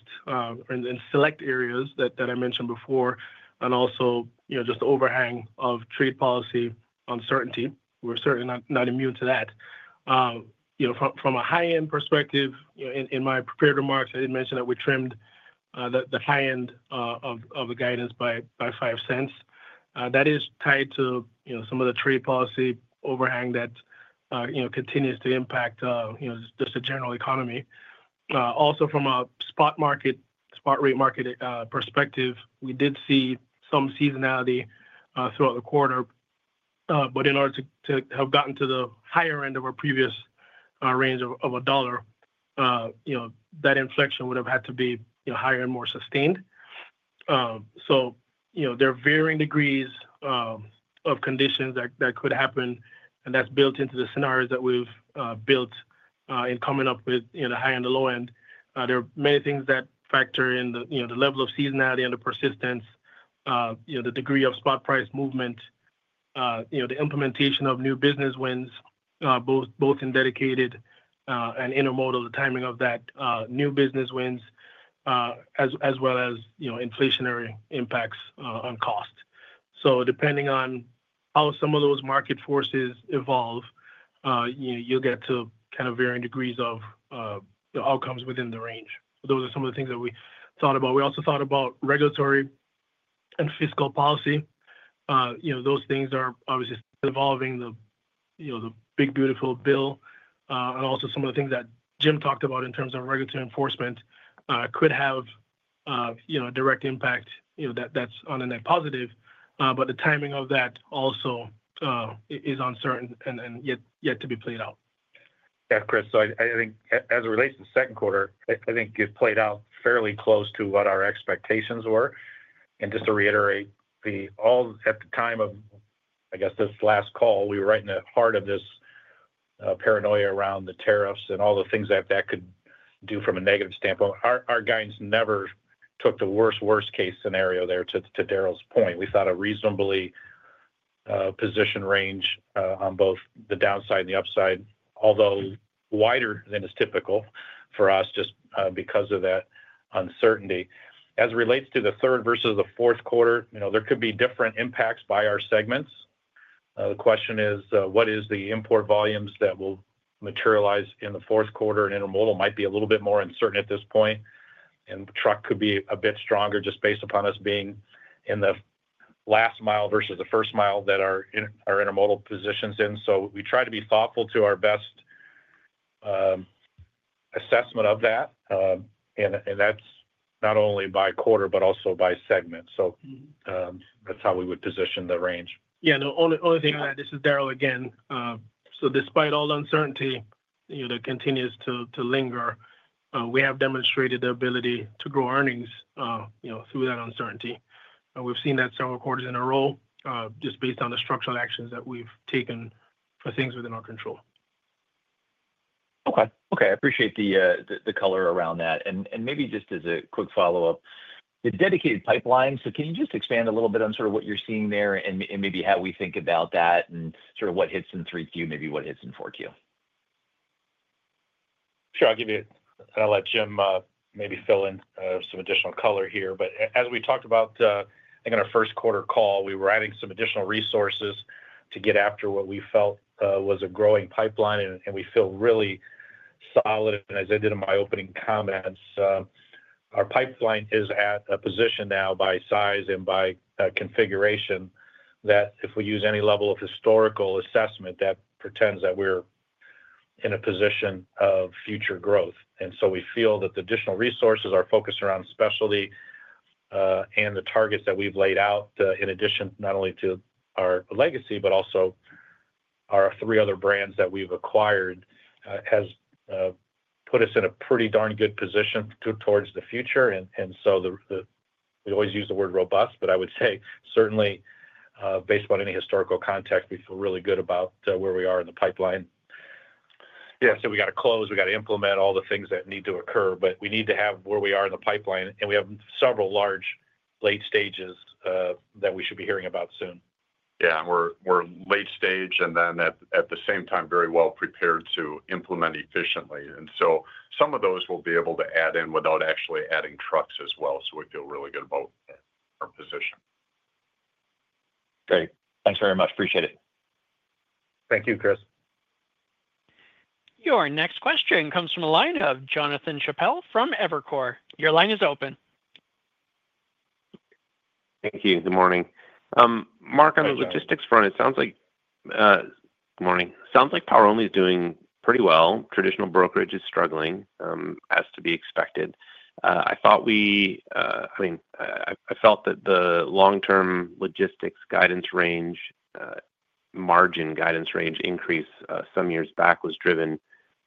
in select areas that I mentioned before, and also just overhang of trade policy uncertainty. We're certainly not immune to that. From a high end perspective, in my prepared remarks, I did mention that we trimmed the high end of the guidance by $0.05. That is tied to some of the trade policy overhang that continues to impact just the general economy. Also, from a spot rate market perspective, we did see some seasonality throughout the quarter. In order to have gotten to the higher end of our previous range of a dollar, that inflection would have had to be higher and more sustained. There are varying degrees of conditions that could happen, and that's built into the scenarios that we've built in coming up with the high and the low end. There are many things that factor in: the level of seasonality and the persistence, the degree of spot price movement, the implementation of new business wins both in dedicated and intermodal, the timing of that new business wins, as well as inflationary impacts on cost. Depending on how some of those market forces evolve, you'll get to varying degrees of outcomes within the range. Those are some of the things that we thought about. We also thought about regulatory and fiscal policy. Those things are obviously evolving. The big beautiful bill and also some of the things that Jim talked about in terms of regulatory enforcement could have direct impact. That is on a net positive, but the timing of that also is uncertain and yet to be played out. Chris. I think as it relates to the second quarter, I think it played out fairly close to what our expectations were. Just to reiterate, at the time of, I guess this last call, we were right in the heart of this paranoia around the tariffs and all the things that could do from a negative standpoint. Our guidance never took the worst, worst case scenario there. To Darrell's point, we thought a reasonably positioned range on both the downside and the upside, although wider than is typical for us just because of that uncertainty. As it relates to the third versus the fourth quarter, you know, there could be different impacts by our segments. The question is what is the import volumes that will materialize in the fourth quarter. Intermodal might be a little bit more uncertain at this point and truck could be a bit stronger just based upon us being in the last mile versus the first mile that our intermodal positions in. We try to be thoughtful to our best assessment of that, and that's not only by quarter, but also by segment. That's how we would position the range. Yeah, the only thing, this is Darrell again. Despite all the uncertainty that continues to linger, we have demonstrated the ability to grow earnings through that uncertainty. We've seen that several quarters in a row just based on the structural actions that we've taken for things within our control. Okay, okay. I appreciate the color around that, and maybe just as a quick follow-up, the dedicated pipeline. Can you just expand a little. Bit on sort of what you're seeing. Maybe how we think about that and sort of what hits in 3Q, maybe what hits in 4Q? Sure. I'll let Jim maybe fill in some additional color here. As we talked about in our first quarter call, we were adding some additional resources to get after what we felt was a growing pipeline. We feel really solid. As I did in my opening comments, our pipeline is at a position now by size and by configuration that if we use any level of historical assessment, that pretends that we're in a position of future growth. We feel that the additional resources are focused around specialty and the targets that we've laid out, in addition not only to our legacy, but also our three other brands that we've acquired, has put us in a pretty darn good position towards the future. We always use the word robust, but I would say certainly based upon any historical context, we feel really good about where we are in the pipeline. We have to close, we have to implement all the things that need to occur, but we need to have where we are in the pipeline and we have several large late stages that we should be hearing about soon. Yeah, we're late stage and at the same time very well prepared to implement efficiently. Some of those will be able to add in without actually adding trucks as well. We feel really good about our position. Great, thanks very much. Appreciate it. Thank you. Chris. Your next question comes from the line of Jonathan Chappell from Evercore. Your line is open. Thank you. Good morning, Mark. On the logistics front, it sounds like power-only is doing pretty well. Traditional brokerage is struggling as to be expected. I thought we, I mean I felt that the long-term logistics guidance range, margin guidance range increase some years back was driven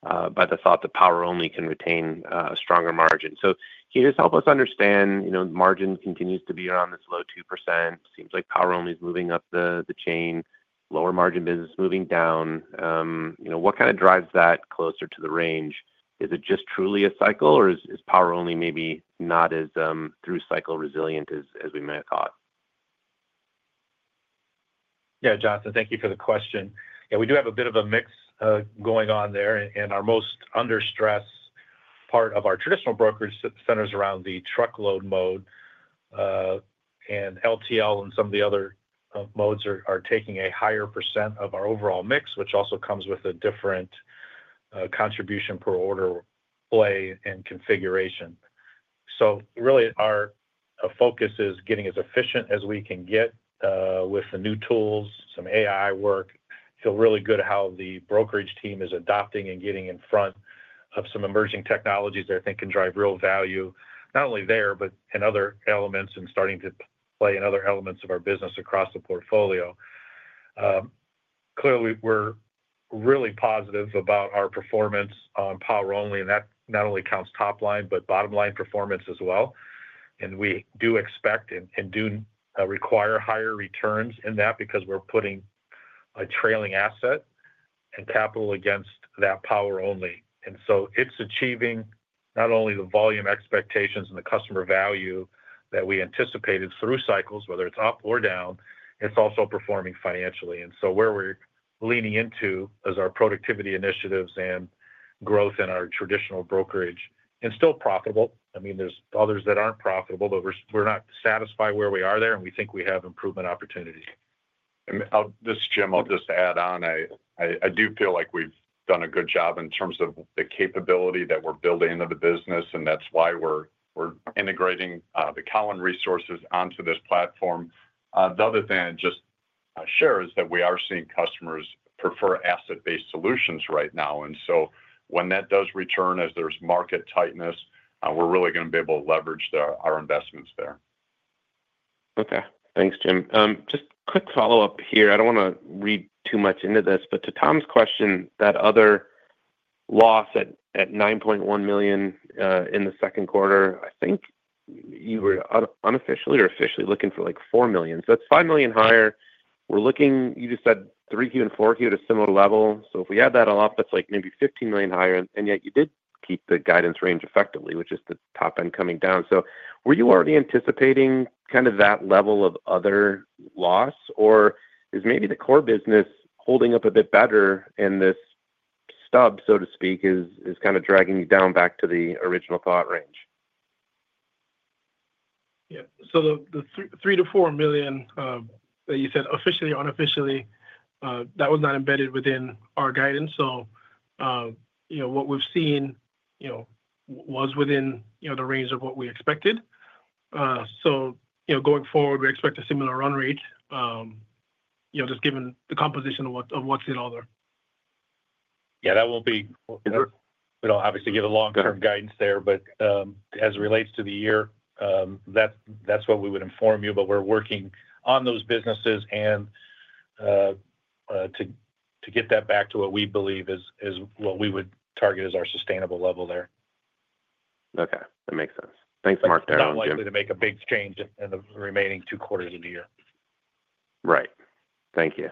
by the thought that power-only can retain a stronger margin. Can you just help us understand, you know, margin continues to be around this low 2%. Seems like power-only is moving up the chain, lower margin business moving down. What kind of drives that closer to the range? Is it just truly a cycle or is power-only maybe not as through-cycle resilient as we may have thought? Yeah, Jonathan, thank you for the question. We do have a bit of a mix going on there, and our most under stress part of our traditional brokerage centers around the truckload mode, and LTL and some of the other modes are taking a higher percent of our overall mix, which also comes with a different contribution per order, play, and configuration. Really, our focus is getting as efficient as we can get with the new tools. Some AI work, feel really good how the brokerage team is adopting and getting in front of some emerging technologies that I think can drive real value not only there, but in other elements and starting to play in other elements of our business across the portfolio. Clearly, we're really positive about our performance on power-only, and that not only counts top line, but bottom line performance as well. We do expect and do require higher returns in that because we're putting a trailing asset and capital against that power-only. It's achieving not only the volume expectations and the customer value that we anticipated through cycles, whether it's up or down, it's also performing financially. Where we're leaning into is our productivity initiatives and growth in our traditional brokerage and still profitable. I mean, there's others that aren't profitable, but we're not satisfied where we are there, and we think we have improvement opportunity. This is Jim. I'll just add on, I do feel like we've done a good job in terms of the capability that we're building into the business, and that's why we're integrating the Cowan resources onto this platform. The other thing I just share is that we are seeing customers prefer asset-based solutions right now. When that does return, as there's market tightness, we're really going to be able to leverage our investments there. Okay, thanks, Jim. Just a quick follow-up here. I don't want to read too much into this, but to Tom's question, that other loss at $9.1 million in the second quarter, I think you were unofficially or officially looking for like $4 million. That's $5 million higher. We're looking. You just said 3Q and 4Q at a similar level. If we add that off, that's. Like maybe $15 million higher. Yet you did keep the guidance range effectively, which is the top end coming down. Were you already anticipating kind of that level of other loss, or is maybe the core business holding up a bit better and this stub, so to speak, is kind of dragging you down. Back to the original thought range? Yeah. The $3 million-$4 million that you said officially, unofficially, that was not embedded within our guidance. What we've seen was within the range of what we expected. Going forward, we expect a similar run rate, just given the composition of what's in other. Yeah, that won't be. We don't obviously give long-term guidance there. As it relates to the year, that's what we would inform you. We're working on those businesses to get that back to what we believe is what we would target as our sustainable level there. Okay, that makes sense. Thanks, Mark. Darren, I'm likely to make a big change in the remaining 2/4 of the year. Right. Thank you.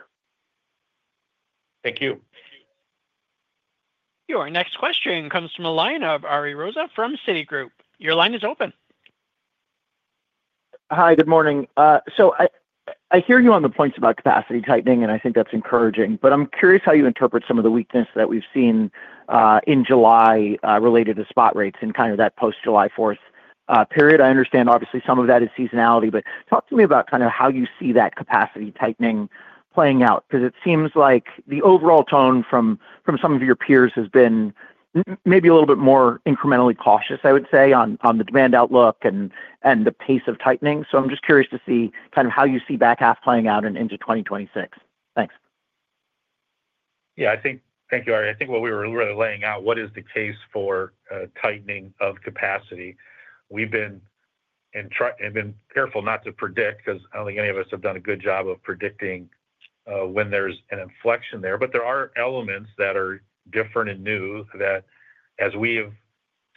Thank you. Your next question comes from a line of Ari Rosa from Citigroup. Your line is open. Hi, good morning. I hear you on the points about capacity tightening and I think that's encouraging. I'm curious how you interpret some of the weakness that we've seen in July related to spot rates in that post July 4th period. I understand obviously some of that is seasonality, but talk to me about how you see that capacity tightening playing out because it seems like the overall tone from some of your peers has been maybe a little bit more incrementally cautious, I would say, on the demand outlook and the pace of tightening. I'm just curious to see how you see back half playing out and into 2026. Thanks. Thank you. I think what we were really laying out is the case for tightening of capacity. We've been careful not to predict because I don't think any of us have done a good job of predicting when there's an inflection there. There are elements that are different and new that, as we have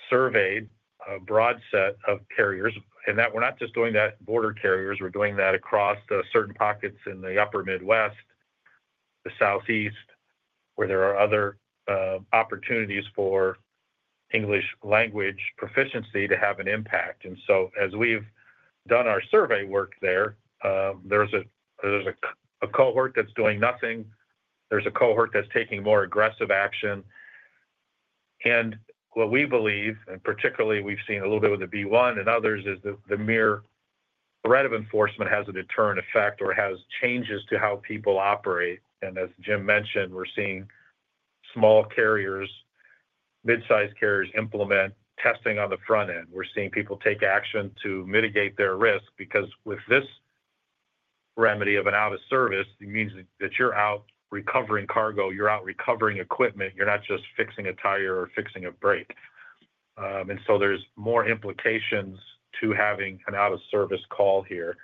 surveyed a broad set of carriers, we're not just doing that with border carriers, we're doing that across certain pockets in the upper Midwest and the Southeast, where there are other opportunities for English language proficiency to have an impact. As we've done our survey work there, there's a cohort that's doing nothing and a cohort that's taking more aggressive action. What we believe, and particularly we've seen a little bit with the B1 and others, is that the mere threat of enforcement has a deterrent effect or causes changes to how people operate. As Jim mentioned, we're seeing small carriers and mid-sized carriers implement testing on the front end. We're seeing people take action to mitigate their risk because with this remedy of an out of service, it means that you're out recovering cargo, you're out recovering equipment, you're not just fixing a tire or fixing a brake. There are more implications to having an out of service call here.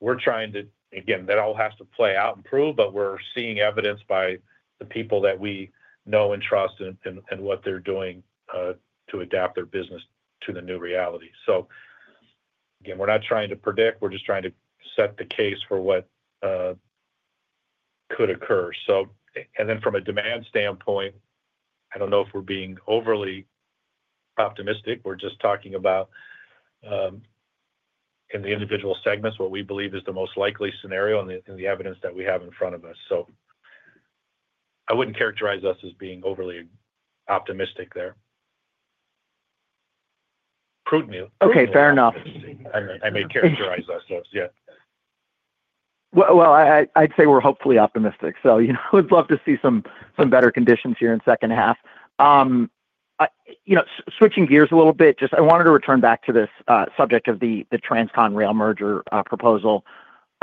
We're trying to, again, that all has to play out and prove, but we're seeing evidence by the people that we know and trust and what they're doing to adapt their business to the new reality. We're not trying to predict, we're just trying to set the case for what could occur. From a demand standpoint, I don't know if we're being overly optimistic. We're just talking about, in the individual segments, what we believe is the most likely scenario in the evidence that we have in front of us. I wouldn't characterize us as being overly optimistic there prudently. Okay, fair enough. I may characterize ourselves. I’d say we’re hopefully optimistic. I would love to see some better conditions here in the second half. Switching gears a little bit, I wanted to return back to this subject of the transcon rail merger proposal.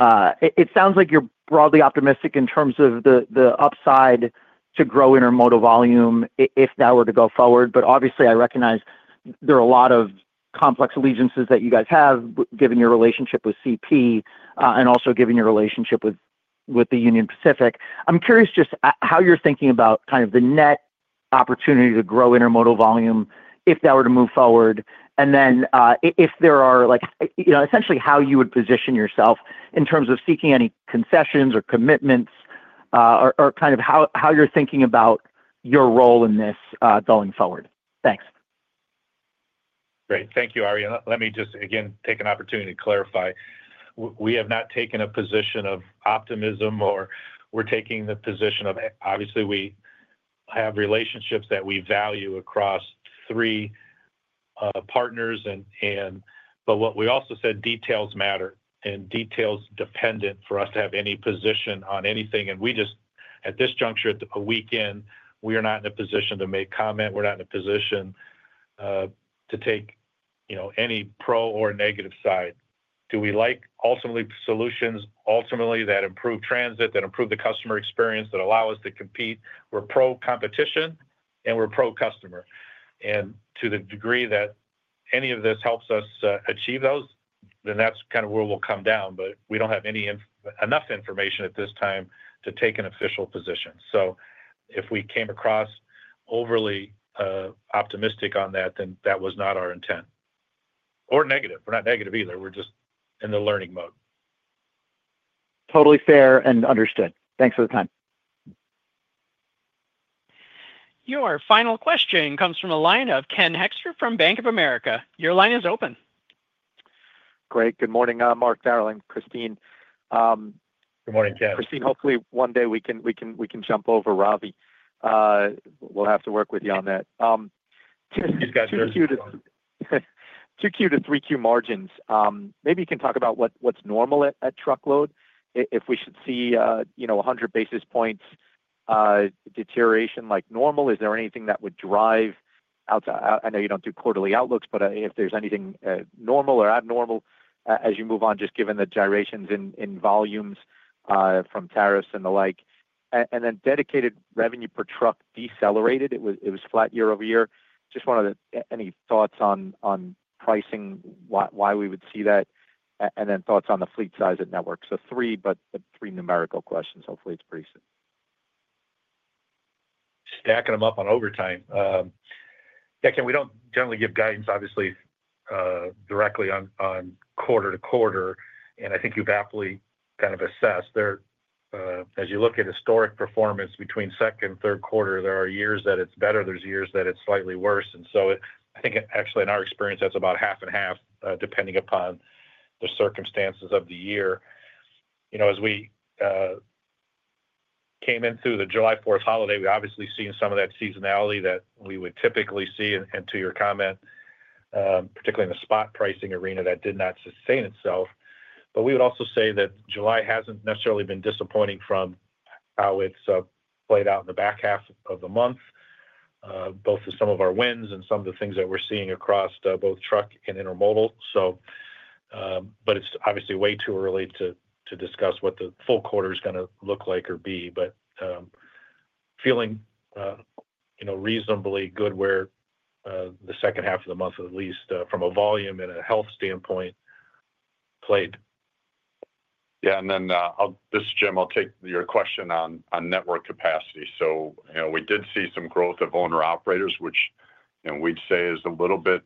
It sounds like you’re broadly optimistic in terms of the upside to grow intermodal volume if that were to go forward. Obviously, I recognize there are a lot of complex allegiances that you guys have given your relationship with CPKC and also given your relationship with Union Pacific. I’m curious just how you’re thinking about the net opportunity to grow intermodal volume if that were to move forward and then if there are essentially how you would position yourself in terms of seeking any concessions or commitments or how you’re thinking about your role in this going forward. Thanks. Great. Thank you. Ari, let me just again take an opportunity to clarify. We have not taken a position of optimism or we're taking the position of obviously we have relationships that we value across three partners, but what we also said, details matter and details dependent for us to have any position on anything. At this juncture at a weekend, we are not in a position to make comment. We're not in a position to take, you know, any pro or negative side. Do we like ultimately solutions, ultimately that improve transit, that improve the customer experience, that allow us to compete. We're pro competition and we're pro customer. To the degree that any of this helps us achieve those, then that's kind of where we'll come down. We don't have enough information at this time to take an official position. If we came across overly optimistic on that, then that was not our intent or negative. We're not negative either. We're just in the learning mode. Totally fair and understood. Thanks for the time. Your final question comes from the line of Ken Hoexter from Bank of America. Your line is open. Great. Good morning, Mark, Darrell and Christyne. Good morning, Ken. Christyne, hopefully one day we can jump over Ravi. We'll have to work with you on that. 2Q-3Q margins, maybe you can talk about what's normal at truckload. If we should see 100 basis points deterioration like normal, is there anything that would drive that? I know you don't do quarterly outlooks, but if there's anything normal or abnormal as you move on, just given the gyrations in volumes from tariffs and the like, and then dedicated revenue per truck decelerated. It was flat year-over-year. Just wanted any thoughts on pricing, why we would see that, and then thoughts on the fleet size at network. So three numerical questions. Hopefully it's pretty soon. Stacking them up on overtime. We don't generally give guidance obviously directly on quarter-to-quarter. I think you've aptly kind of assessed as you look at historic performance between second, third quarter, there are years that it's better, there's years that it's slightly worse. I think actually in our experience that's about half and half depending upon the circumstances of the year. You know, as we came in through the July 4th holiday, we obviously seen some of that seasonality that we would typically see. To your comment, particularly in the spot pricing arena, that did not sustain itself. We would also say that July hasn't necessarily been disappointing from how it's played out in the back half of the month, both of some of our wins and some of the things that we're seeing across both truck and intermodal. It's obviously way too early to discuss what the full quarter is going to look like or be, but feeling, you know, reasonably good where the second half of the month at least from a volume and a health standpoint played. Yeah. This is Jim. I'll take your question on network capacity. We did see some growth of owner operators, which we'd say is a little bit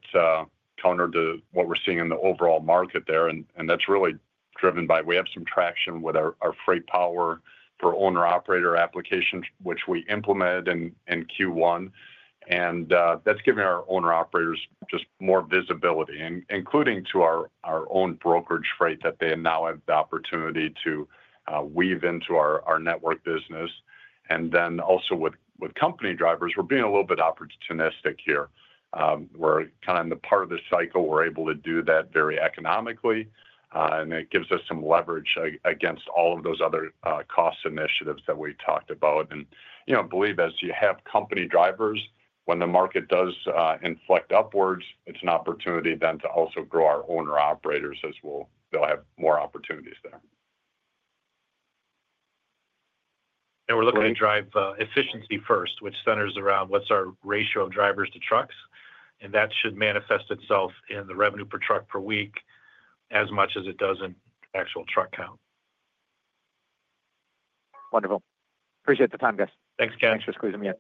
counter to what we're seeing in the overall market there. That's really driven by the traction we have with our freight power for owner operator applications, which we implemented in Q1. That's giving our owner operators more visibility, including to our own brokerage freight that they now have the opportunity to weave into our network business. With company drivers, we're being a little bit opportunistic here. We're in the part of the cycle where we're able to do that very economically, and it gives us some leverage against all of those other cost initiatives that we talked about. We believe as you have company drivers, when the market does inflect upwards, it's an opportunity to also grow our owner operators as well. They'll have more opportunities there. We are looking to drive efficiency first, which centers around what's our ratio of drivers to trucks. That should manifest itself in the revenue per truck per week as much as it does in actual truck count. Wonderful. Appreciate the time, guys. Thanks, Ken. Thanks for squeezing me in.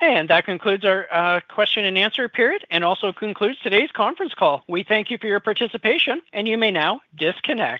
That concludes our question and answer period and also concludes today's conference call. We thank you for your participation and you may now disconnect.